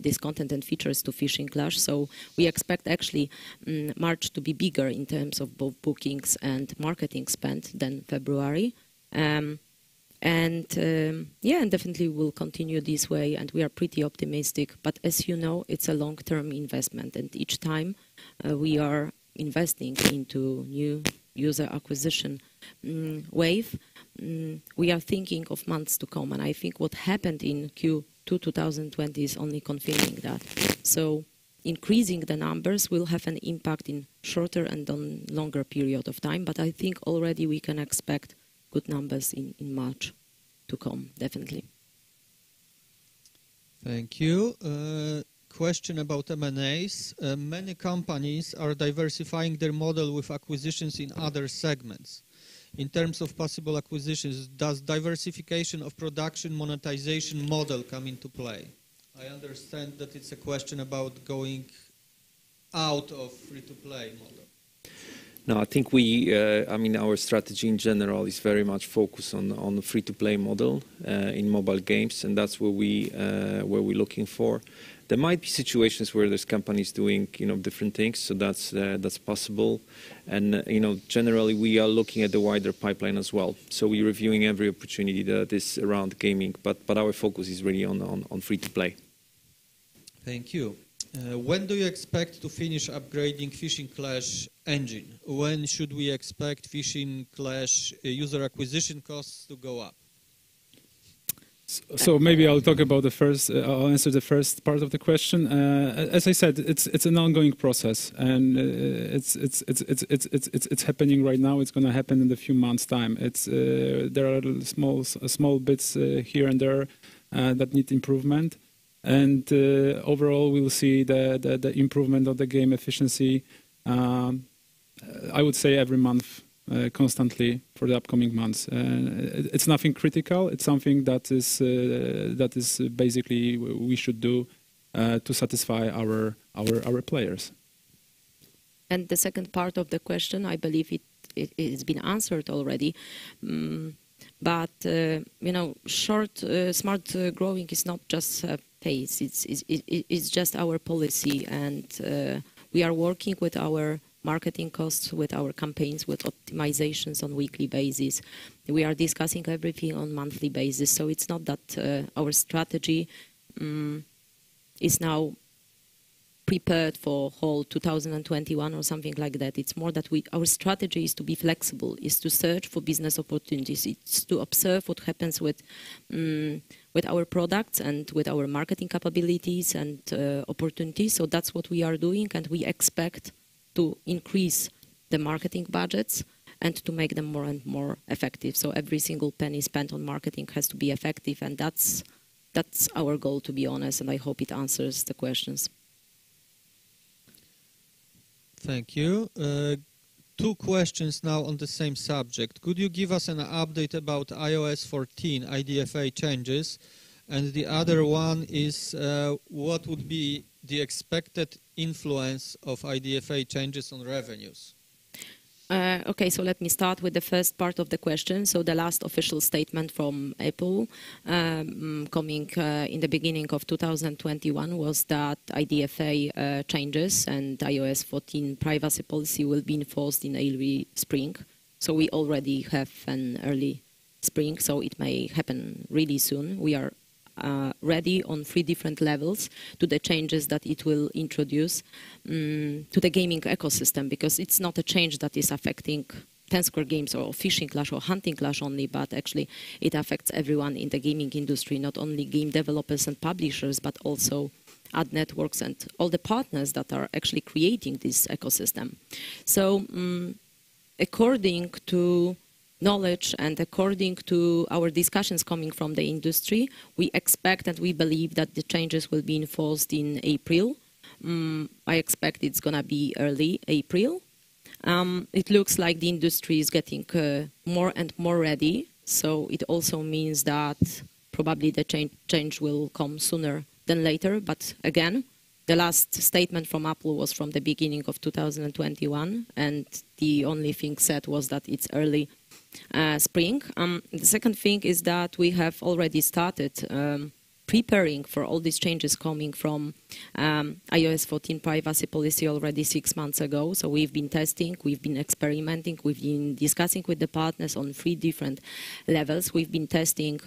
this content and features to Fishing Clash. We expect actually March to be bigger in terms of both bookings and marketing spend than February. Definitely, we'll continue this way, and we are pretty optimistic. As you know, it's a long-term investment, and each time we are investing into new user acquisition wave, we are thinking of months to come. I think what happened in Q2 2020 is only confirming that. Increasing the numbers will have an impact in shorter and longer period of time, but I think already we can expect good numbers in March to come, definitely. Thank you. Question about M&As. Many companies are diversifying their model with acquisitions in other segments. In terms of possible acquisitions, does diversification of production monetization model come into play? I understand that it's a question about going out of free-to-play model. No, I think our strategy in general is very much focused on the free-to-play model in mobile games. That's what we're looking for. There might be situations where there's companies doing different things. That's possible. Generally, we are looking at the wider pipeline as well. We're reviewing every opportunity that is around gaming, but our focus is really on free-to-play. Thank you. When do you expect to finish upgrading Fishing Clash engine? When should we expect Fishing Clash user acquisition costs to go up? Maybe I'll answer the first part of the question. As I said, it's an ongoing process, and it's happening right now. It's going to happen in a few months' time. There are small bits here and there that need improvement. Overall, we will see the improvement of the game efficiency, I would say every month, constantly for the upcoming months. It's nothing critical. It's something that is basically we should do to satisfy our players. The second part of the question, I believe it's been answered already. Smart growing is not just pace. It's just our policy. We are working with our marketing costs, with our campaigns, with optimizations on weekly basis. We are discussing everything on monthly basis. It's not that our strategy is now prepared for whole 2021 or something like that. It's more that our strategy is to be flexible, is to search for business opportunities. It's to observe what happens with our products and with our marketing capabilities and opportunities. That's what we are doing, and we expect to increase the marketing budgets and to make them more and more effective. Every single penny spent on marketing has to be effective, and that's our goal, to be honest, and I hope it answers the questions. Thank you. Two questions now on the same subject. Could you give us an update about iOS 14 IDFA changes? The other one is, what would be the expected influence of IDFA changes on revenues? Okay. Let me start with the first part of the question. The last official statement from Apple, coming in the beginning of 2021, was that IDFA changes and iOS 14 privacy policy will be enforced in early spring. We already have an early spring, so it may happen really soon. We are ready on three different levels to the changes that it will introduce to the gaming ecosystem because it's not a change that is affecting Ten Square Games or Fishing Clash or Hunting Clash only, but actually it affects everyone in the gaming industry. Not only game developers and publishers, but also ad networks and all the partners that are actually creating this ecosystem. According to knowledge and according to our discussions coming from the industry, we expect and we believe that the changes will be enforced in April. I expect it's going to be early April. It looks like the industry is getting more and more ready, so it also means that probably the change will come sooner than later. Again, the last statement from Apple was from the beginning of 2021, and the only thing said was that it's early spring. The second thing is that we have already started preparing for all these changes coming from iOS 14 privacy policy already six months ago. We've been testing, we've been experimenting, we've been discussing with the partners on three different levels. We've been testing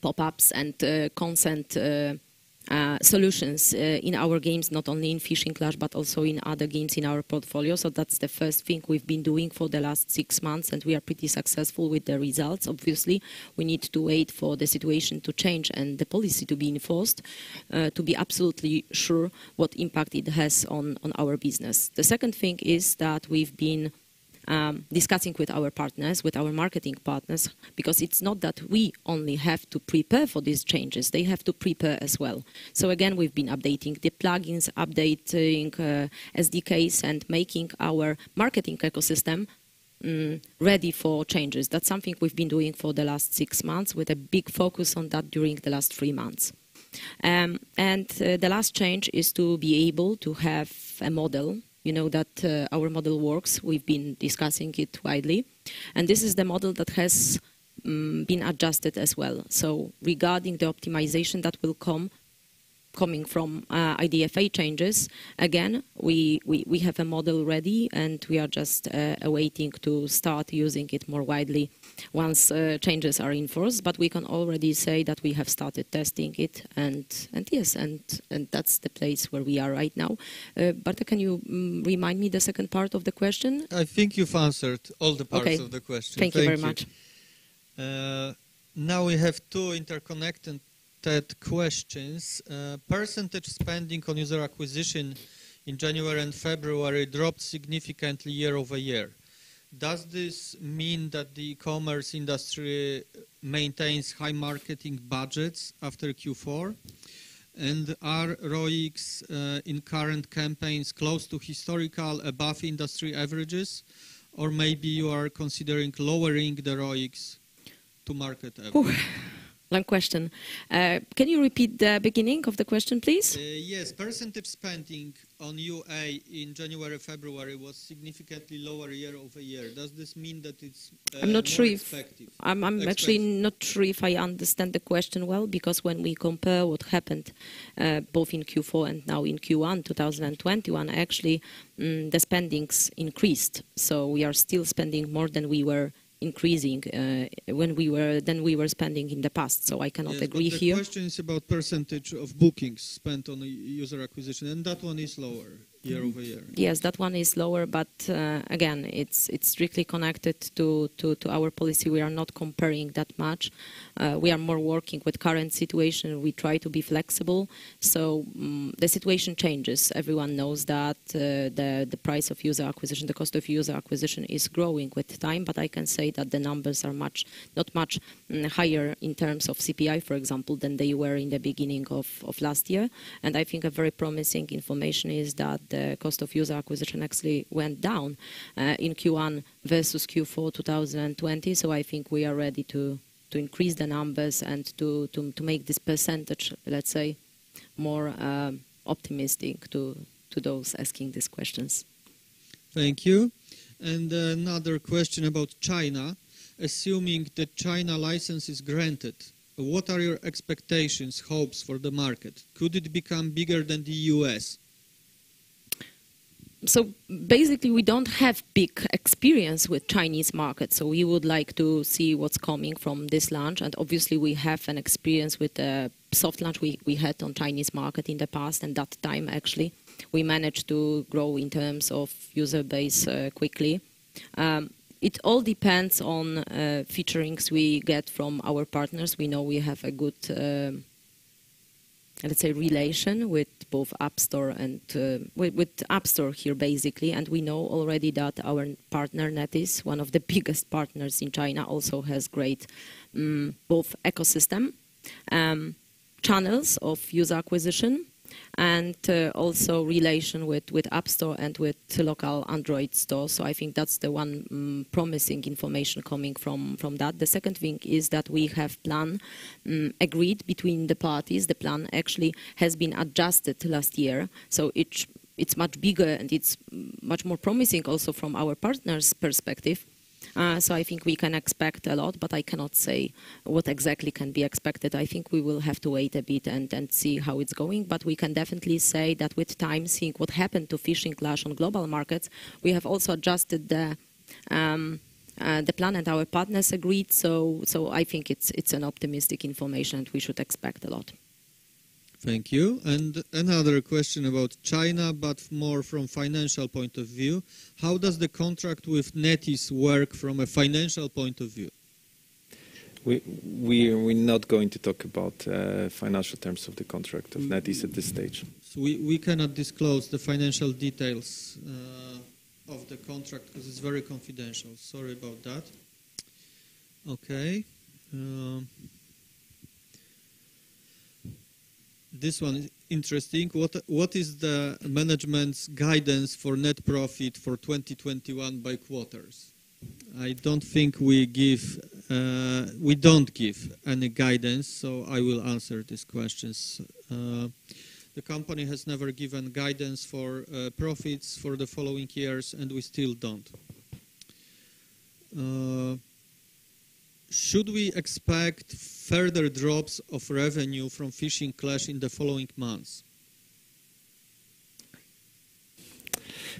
pop-ups and consent solutions in our games, not only in Fishing Clash, but also in other games in our portfolio. That's the first thing we've been doing for the last six months, and we are pretty successful with the results. Obviously, we need to wait for the situation to change and the policy to be enforced, to be absolutely sure what impact it has on our business. The second thing is that we've been discussing with our partners, with our marketing partners, because it's not that we only have to prepare for these changes. They have to prepare as well. Again, we've been updating the plugins, updating SDKs, and making our marketing ecosystem ready for changes. That's something we've been doing for the last six months with a big focus on that during the last three months. The last change is to be able to have a model, that our model works. We've been discussing it widely. This is the model that has been adjusted as well. Regarding the optimization that will coming from IDFA changes, again, we have a model ready, and we are just awaiting to start using it more widely once changes are enforced. We can already say that we have started testing it. Yes, that's the place where we are right now. Bartek, can you remind me the second part of the question? I think you've answered all the parts of the question. Okay. Thank you very much. Thank you. Now we have two interconnected questions. Percentage spending on user acquisition in January and February dropped significantly year-over-year. Does this mean that the commerce industry maintains high marketing budgets after Q4? Are ROICs in current campaigns close to historical above industry averages? Maybe you are considering lowering the ROICs to market average. Long question. Can you repeat the beginning of the question, please? Yes. Percent spending on UA in January, February was significantly lower year-over-year. Does this mean that it's... I'm not sure. -more effective? I'm actually not sure if I understand the question well, because when we compare what happened both in Q4 and now in Q1 2021, actually, the spendings increased. We are still spending more than we were spending in the past. I cannot agree here. Yes, the question is about percentage of bookings spent on user acquisition, and that one is lower year-over-year. Yes, that one is lower, but again, it's strictly connected to our policy. We are not comparing that much. We are more working with current situation. We try to be flexible. The situation changes. Everyone knows that the price of user acquisition, the cost of user acquisition is growing with time, but I can say that the numbers are not much higher in terms of CPI, for example, than they were in the beginning of last year. I think a very promising information is that the cost of user acquisition actually went down in Q1 versus Q4 2020. I think we are ready to increase the numbers and to make this percentage, let's say, more optimistic to those asking these questions. Thank you. Another question about China. Assuming that China license is granted, what are your expectations, hopes for the market? Could it become bigger than the U.S.? Basically, we don't have big experience with Chinese market, so we would like to see what's coming from this launch. Obviously we have an experience with the soft launch we had on Chinese market in the past, and that time actually, we managed to grow in terms of user base quickly. It all depends on features we get from our partners. We know we have a good, let's say, relation with App Store here, basically. We know already that our partner, NetEase, one of the biggest partners in China, also has great both ecosystem, channels of user acquisition, and also relation with App Store and with local Android store. I think that's the one promising information coming from that. The second thing is that we have plan agreed between the parties. The plan actually has been adjusted last year, so it's much bigger and it's much more promising also from our partner's perspective. I think we can expect a lot, but I cannot say what exactly can be expected. I think we will have to wait a bit and see how it's going. We can definitely say that with time, seeing what happened to Fishing Clash on global markets, we have also adjusted the plan and our partners agreed. I think it's an optimistic information. We should expect a lot. Thank you. Another question about China, but more from financial point of view. How does the contract with NetEase work from a financial point of view? We're not going to talk about financial terms of the contract of NetEase at this stage. We cannot disclose the financial details of the contract because it's very confidential. Sorry about that. Okay. This one is interesting. What is the management's guidance for net profit for 2021 by quarters? We don't give any guidance, so I will answer these questions. The company has never given guidance for profits for the following years, and we still don't. Should we expect further drops of revenue from Fishing Clash in the following months?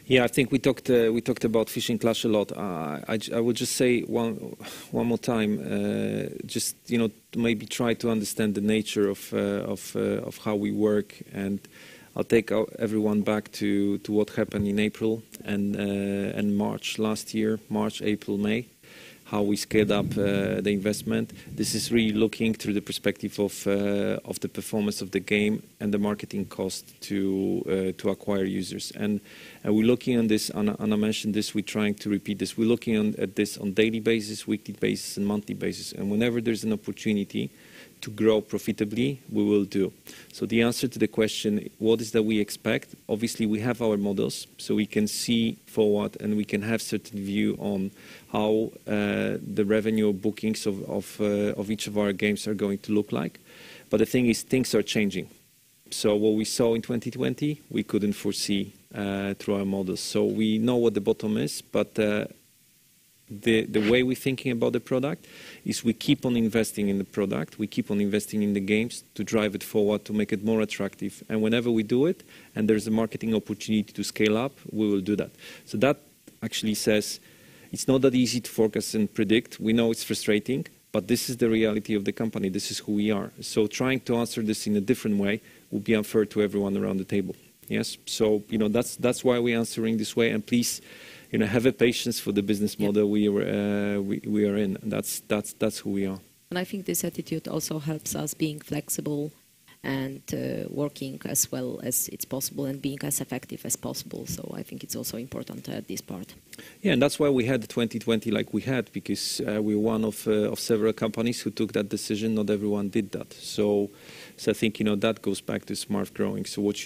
Yeah, I think we talked about Fishing Clash a lot. I would just say one more time, just maybe try to understand the nature of how we work, and I'll take everyone back to what happened in April and March last year, March, April, May, how we scaled up the investment. This is really looking through the perspective of the performance of the game and the marketing cost to acquire users. We're looking at this, Anna mentioned this, we're trying to repeat this. We're looking at this on daily basis, weekly basis, and monthly basis. Whenever there's an opportunity to grow profitably, we will do. The answer to the question, what is that we expect? Obviously, we have our models, so we can see forward and we can have certain view on how the revenue bookings of each of our games are going to look like. The thing is, things are changing. What we saw in 2020, we couldn't foresee through our models. We know what the bottom is, but the way we're thinking about the product is we keep on investing in the product. We keep on investing in the games to drive it forward, to make it more attractive. Whenever we do it, and there's a marketing opportunity to scale up, we will do that. That actually says it's not that easy to focus and predict. We know it's frustrating, but this is the reality of the company. This is who we are. Trying to answer this in a different way would be unfair to everyone around the table. Yes? That's why we're answering this way, and please have a patience for the business model we are in. That's who we are. I think this attitude also helps us being flexible and working as well as it's possible and being as effective as possible. I think it's also important, this part. Yeah, and that's why we had 2020 like we had, because we're one of several companies who took that decision. Not everyone did that. I think that goes back to smart growing. What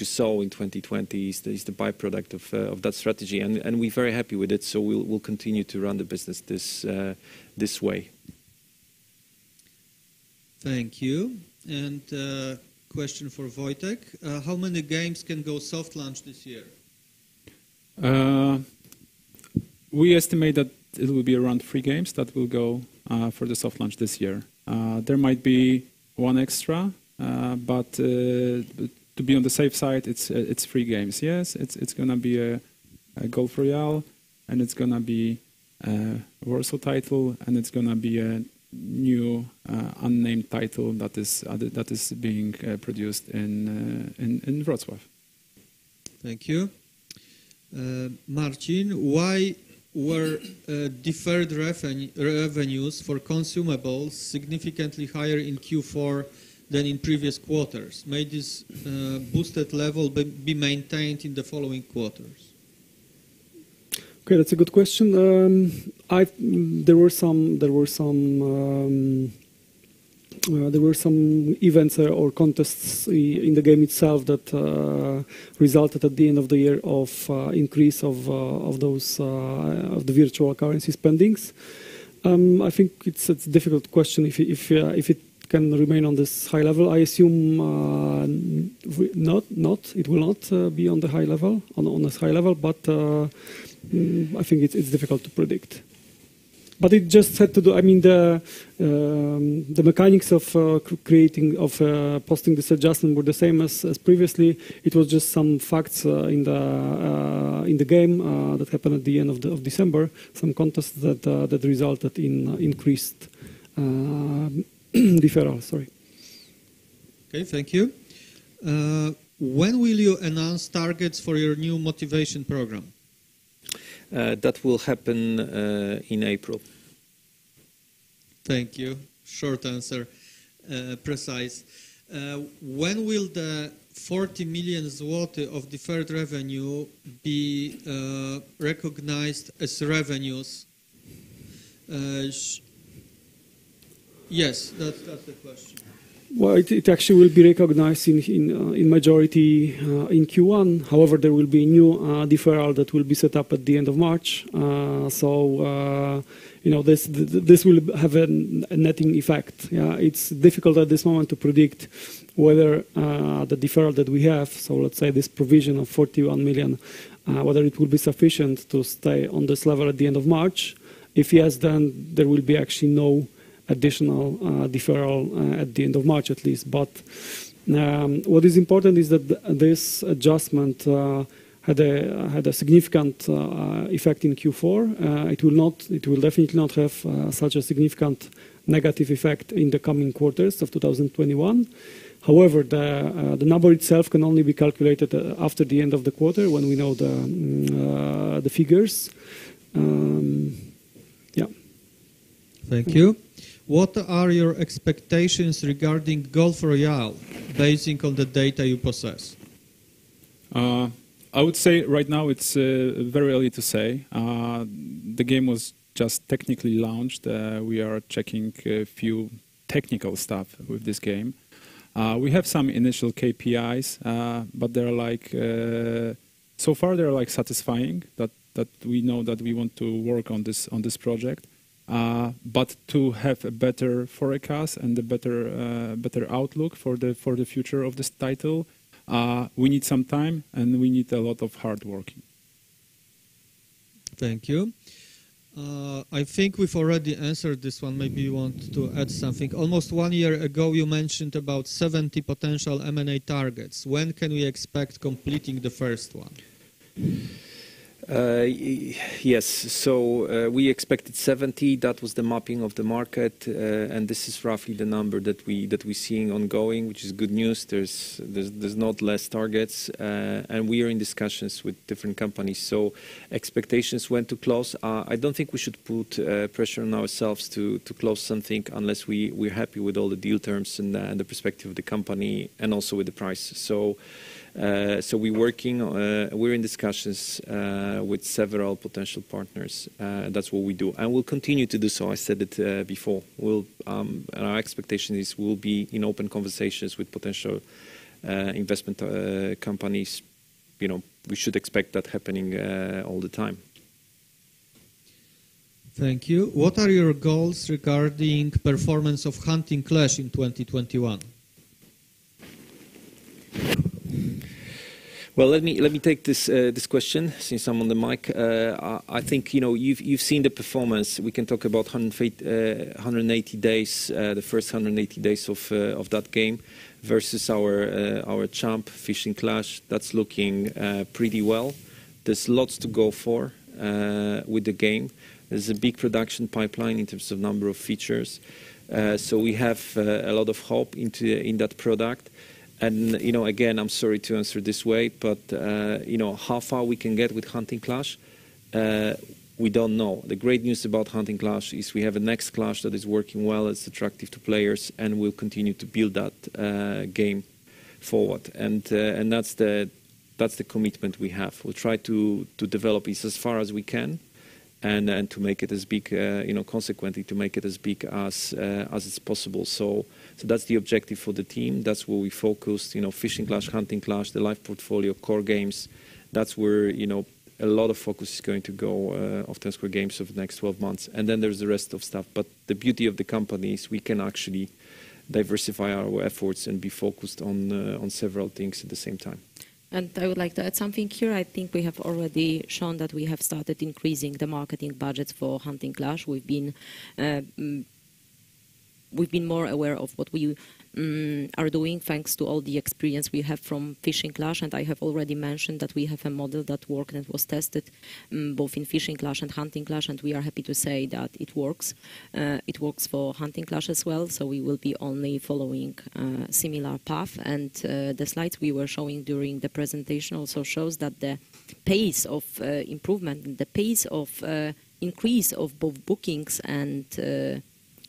you saw in 2020 is the byproduct of that strategy, and we're very happy with it. We'll continue to run the business this way. Thank you. A question for Wojciech. How many games can go soft launch this year? We estimate that it will be around three games that will go for the soft launch this year. There might be one extra, but to be on the safe side, it's three games. Yes, it's going to be Golf Royale, and it's going to be a Warsaw title, and it's going to be a new unnamed title that is being produced in Wrocław. Thank you. Marcin, why were deferred revenues for consumables significantly higher in Q4 than in previous quarters? May this boosted level be maintained in the following quarters? Okay, that's a good question. There were some events or contests in the game itself that resulted at the end of the year of increase of the virtual currency spendings. I think it's a difficult question. If it can remain on this high level, I assume it will not be on this high level, but I think it's difficult to predict. The mechanics of posting this adjustment were the same as previously. It was just some facts in the game that happened at the end of December, some contests that resulted in increased deferral. Sorry. Okay, thank you. When will you announce targets for your new motivation program? That will happen in April. Thank you. Short answer. Precise. When will the 40 million zloty of deferred revenue be recognized as revenues? Yes, that's the question. Well, it actually will be recognized in majority in Q1. There will be new deferral that will be set up at the end of March. This will have a netting effect. It's difficult at this moment to predict whether the deferral that we have, so let's say this provision of 41 million, whether it will be sufficient to stay on this level at the end of March. If yes, there will be actually no additional deferral at the end of March, at least. What is important is that this adjustment had a significant effect in Q4. It will definitely not have such a significant negative effect in the coming quarters of 2021. The number itself can only be calculated after the end of the quarter when we know the figures. Yeah. Thank you. What are your expectations regarding Golf Royale, basing on the data you possess? I would say right now it's very early to say. The game was just technically launched. We are checking a few technical stuff with this game. We have some initial KPIs, but so far they're satisfying, that we know that we want to work on this project. To have a better forecast and a better outlook for the future of this title, we need some time, and we need a lot of hard work. Thank you. I think we've already answered this one. Maybe you want to add something. Almost one year ago, you mentioned about 70 potential M&A targets. When can we expect completing the first one? Yes. We expected 70. That was the mapping of the market, and this is roughly the number that we're seeing ongoing, which is good news. There's not less targets, and we are in discussions with different companies. Expectations when to close, I don't think we should put pressure on ourselves to close something unless we're happy with all the deal terms, the perspective of the company, and also with the price. We're in discussions with several potential partners. That's what we do, and we'll continue to do so. I said it before. Our expectation is we'll be in open conversations with potential investment companies. We should expect that happening all the time. Thank you. What are your goals regarding performance of Hunting Clash in 2021? Well, let me take this question since I'm on the mic. I think you've seen the performance. We can talk about the first 180 days of that game versus our champ, Fishing Clash. That's looking pretty well. There's lots to go for with the game. There's a big production pipeline in terms of number of features. We have a lot of hope in that product. Again, I'm sorry to answer this way, but how far we can get with Hunting Clash? We don't know. The great news about Hunting Clash is we have a next Clash that is working well. It's attractive to players, and we'll continue to build that game forward. That's the commitment we have. We'll try to develop it as far as we can and consequently, to make it as big as is possible. That's the objective for the team. That's where we focus. Fishing Clash, Hunting Clash, the live portfolio, core games. That's where a lot of focus is going to go of Ten Square Games over the next 12 months. There's the rest of stuff. The beauty of the company is we can actually diversify our efforts and be focused on several things at the same time. I would like to add something here. I think we have already shown that we have started increasing the marketing budgets for Hunting Clash. We've been more aware of what we are doing thanks to all the experience we have from Fishing Clash, and I have already mentioned that we have a model that worked and was tested both in Fishing Clash and Hunting Clash, and we are happy to say that it works. It works for Hunting Clash as well, so we will be only following a similar path. The slides we were showing during the presentation also shows that the pace of improvement, the pace of increase of both bookings and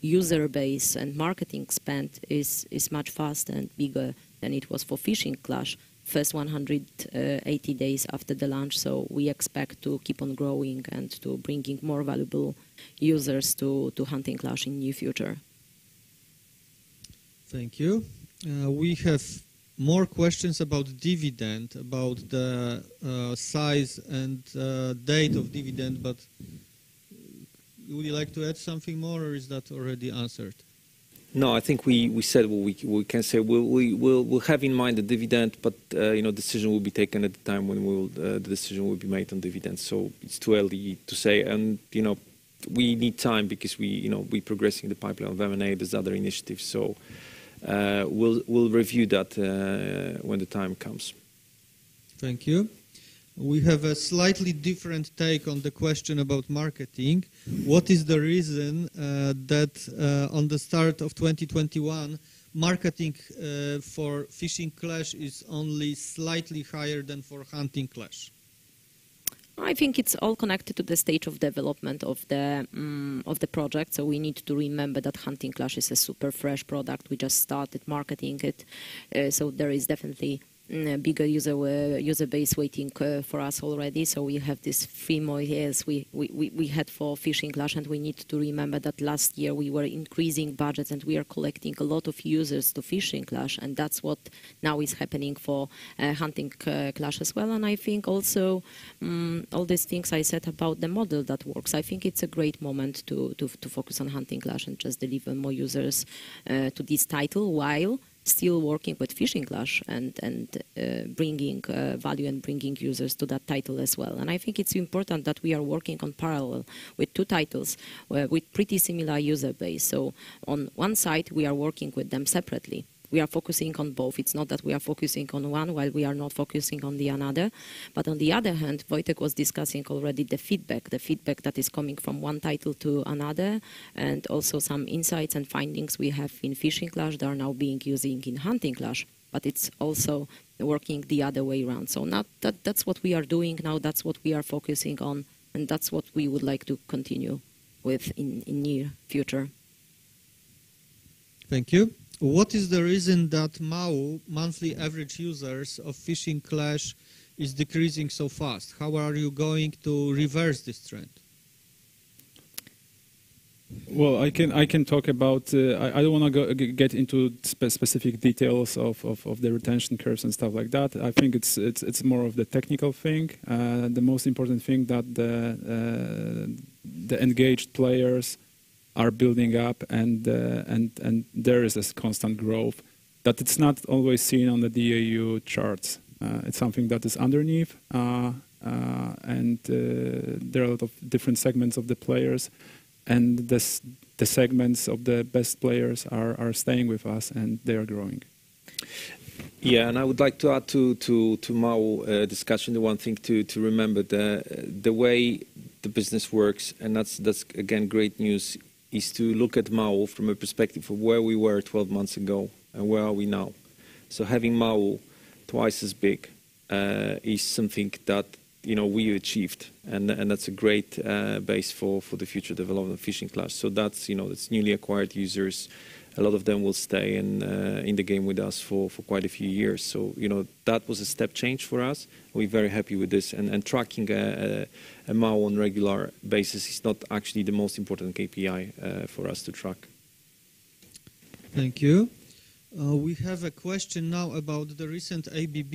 user base and marketing spend is much faster and bigger than it was for Fishing Clash first 180 days after the launch. We expect to keep on growing and to bringing more valuable users to Hunting Clash in near future. Thank you. We have more questions about dividend, about the size and date of dividend, but would you like to add something more, or is that already answered? No, I think we said what we can say. We'll have in mind the dividend, but decision will be taken at the time when the decision will be made on dividends. It's too early to say. We need time because we're progressing the pipeline of M&A. There's other initiatives. We'll review that when the time comes. Thank you. We have a slightly different take on the question about marketing. What is the reason that on the start of 2021, marketing for Fishing Clash is only slightly higher than for Hunting Clash? I think it's all connected to the stage of development of the project. We need to remember that Hunting Clash is a super fresh product. We just started marketing it, so there is definitely a bigger user base waiting for us already. We have these three more years we had for Fishing Clash, and we need to remember that last year we were increasing budgets, and we are collecting a lot of users to Fishing Clash, and that's what now is happening for Hunting Clash as well. I think also, all these things I said about the model that works, I think it's a great moment to focus on Hunting Clash and just deliver more users to this title while still working with Fishing Clash and bringing value and bringing users to that title as well. I think it's important that we are working on parallel with two titles with pretty similar user base. On one side, we are working with them separately. We are focusing on both. It's not that we are focusing on one while we are not focusing on the other. On the other hand, Wojtek was discussing already the feedback, the feedback that is coming from one title to another, and also some insights and findings we have in Fishing Clash that are now being used in Hunting Clash, but it's also working the other way around. Now, that's what we are doing now. That's what we are focusing on, and that's what we would like to continue with in near future. Thank you. What is the reason that MAU, Monthly Average Users, of Fishing Clash is decreasing so fast? How are you going to reverse this trend? Well, I don't want to get into specific details of the retention curves and stuff like that. I think it's more of the technical thing. The most important thing that the engaged players are building up, and there is this constant growth. It's not always seen on the DAU charts. It's something that is underneath. There are a lot of different segments of the players, and the segments of the best players are staying with us, and they are growing. I would like to add to MAU discussion, the one thing to remember, the way the business works, and that's again, great news, is to look at MAU from a perspective of where we were 12 months ago and where are we now. Having MAU twice as big is something that we achieved, and that's a great base for the future development of Fishing Clash. That's newly acquired users. A lot of them will stay in the game with us for quite a few years. That was a step change for us. We're very happy with this. Tracking MAU on regular basis is not actually the most important KPI for us to track. Thank you. We have a question now about the recent ABB,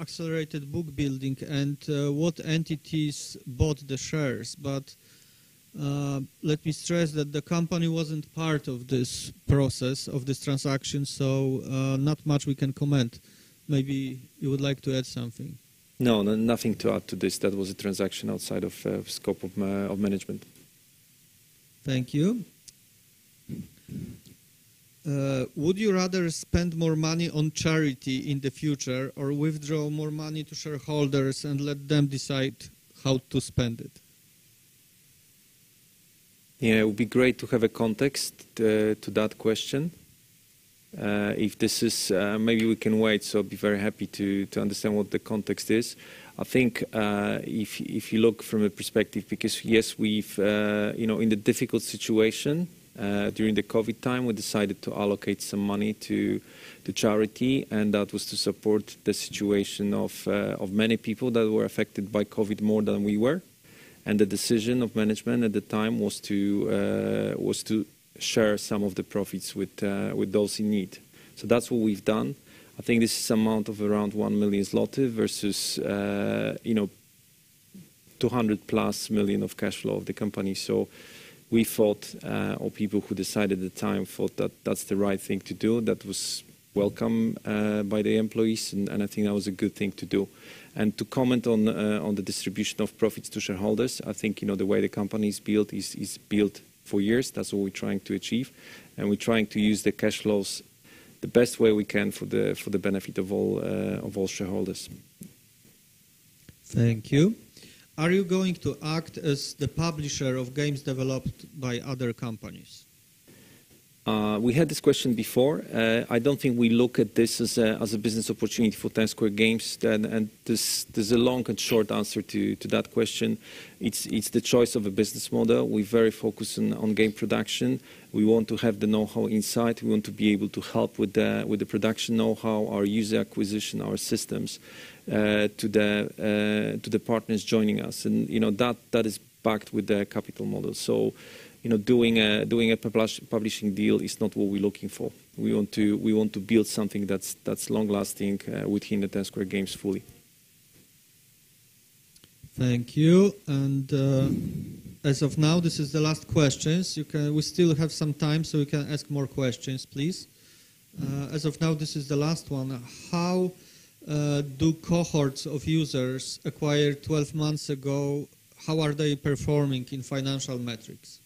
Accelerated Book Building, and what entities bought the shares. Let me stress that the company wasn't part of this process, of this transaction, so not much we can comment. Maybe you would like to add something. No, nothing to add to this. That was a transaction outside of scope of management. Thank you. Would you rather spend more money on charity in the future or withdraw more money to shareholders and let them decide how to spend it? Yeah, it would be great to have a context to that question. Maybe we can wait, so I'll be very happy to understand what the context is. I think, if you look from a perspective, because yes, in the difficult situation during the COVID time, we decided to allocate some money to charity, and that was to support the situation of many people that were affected by COVID more than we were. The decision of management at the time was to share some of the profits with those in need. That's what we've done. I think this is amount of around 1 million zloty versus, 200+ million of cash flow of the company. We thought, or people who decided at the time thought that that's the right thing to do. That was welcome by the employees, and I think that was a good thing to do. To comment on the distribution of profits to shareholders, I think the way the company is built, is built for years. That's what we're trying to achieve, and we're trying to use the cash flows the best way we can for the benefit of all shareholders. Thank you. Are you going to act as the publisher of games developed by other companies? We had this question before. I don't think we look at this as a business opportunity for Ten Square Games. There's a long and short answer to that question. It's the choice of a business model. We're very focused on game production. We want to have the know-how inside. We want to be able to help with the production know-how, our user acquisition, our systems, to the partners joining us. That is backed with the capital model. Doing a publishing deal is not what we're looking for. We want to build something that's long-lasting within the Ten Square Games fully. Thank you. As of now, this is the last question. We still have some time, so we can ask more questions, please. As of now, this is the last one. How do cohorts of users acquired 12 months ago, how are they performing in financial metrics?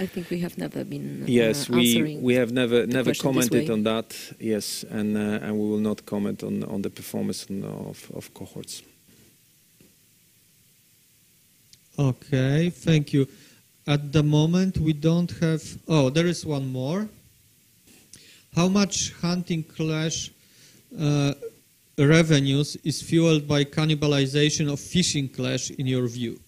I think we have never been answering- Yes. the question this way. We have never commented on that. Yes. We will not comment on the performance of cohorts. Okay. Thank you. At the moment, we don't have. Oh, there is one more. How much Hunting Clash revenues is fueled by cannibalization of Fishing Clash, in your view?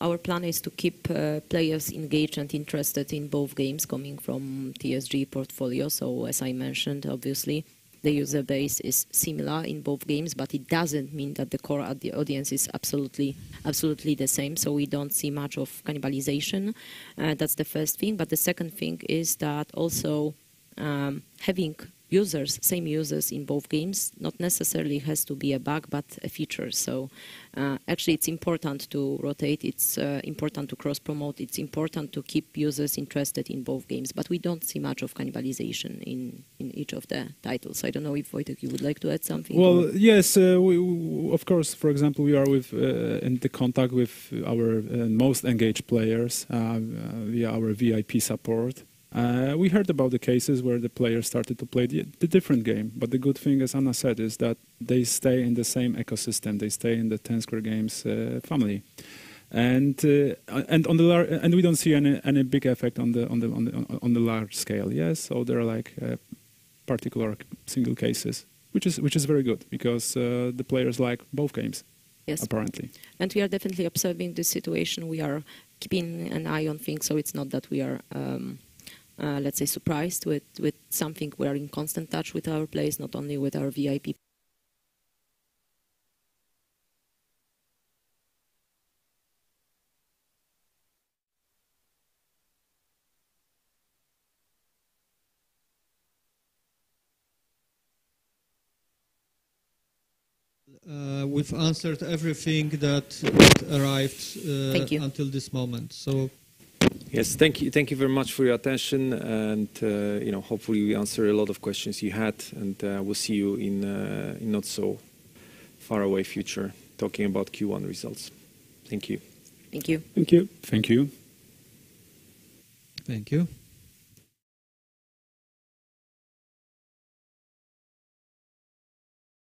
Our plan is to keep players engaged and interested in both games coming from TSG portfolio. As I mentioned, obviously, the user base is similar in both games, but it doesn't mean that the core audience is absolutely the same. We don't see much of cannibalization. That's the first thing. The second thing is that also, having same users in both games not necessarily has to be a bug, but a feature. Actually, it's important to rotate. It's important to cross-promote. It's important to keep users interested in both games. We don't see much of cannibalization in each of the titles. I don't know if, Wojciech, you would like to add something or. Well, yes. Of course, for example, we are in the contact with our most engaged players, via our VIP support. We heard about the cases where the players started to play the different game. The good thing, as Anna said, is that they stay in the same ecosystem. They stay in the Ten Square Games family. We don't see any big effect on the large scale. Yes. There are particular single cases, which is very good because the players like both games. Yes Apparently. We are definitely observing the situation. We are keeping an eye on things, so it's not that we are, let's say, surprised with something. We are in constant touch with our players, not only with our VIP-. We've answered everything that has arrived. Thank you. Until this moment. Yes. Thank you very much for your attention and, hopefully, we answered a lot of questions you had, and we'll see you in not so faraway future talking about Q1 results. Thank you. Thank you. Thank you. Thank you.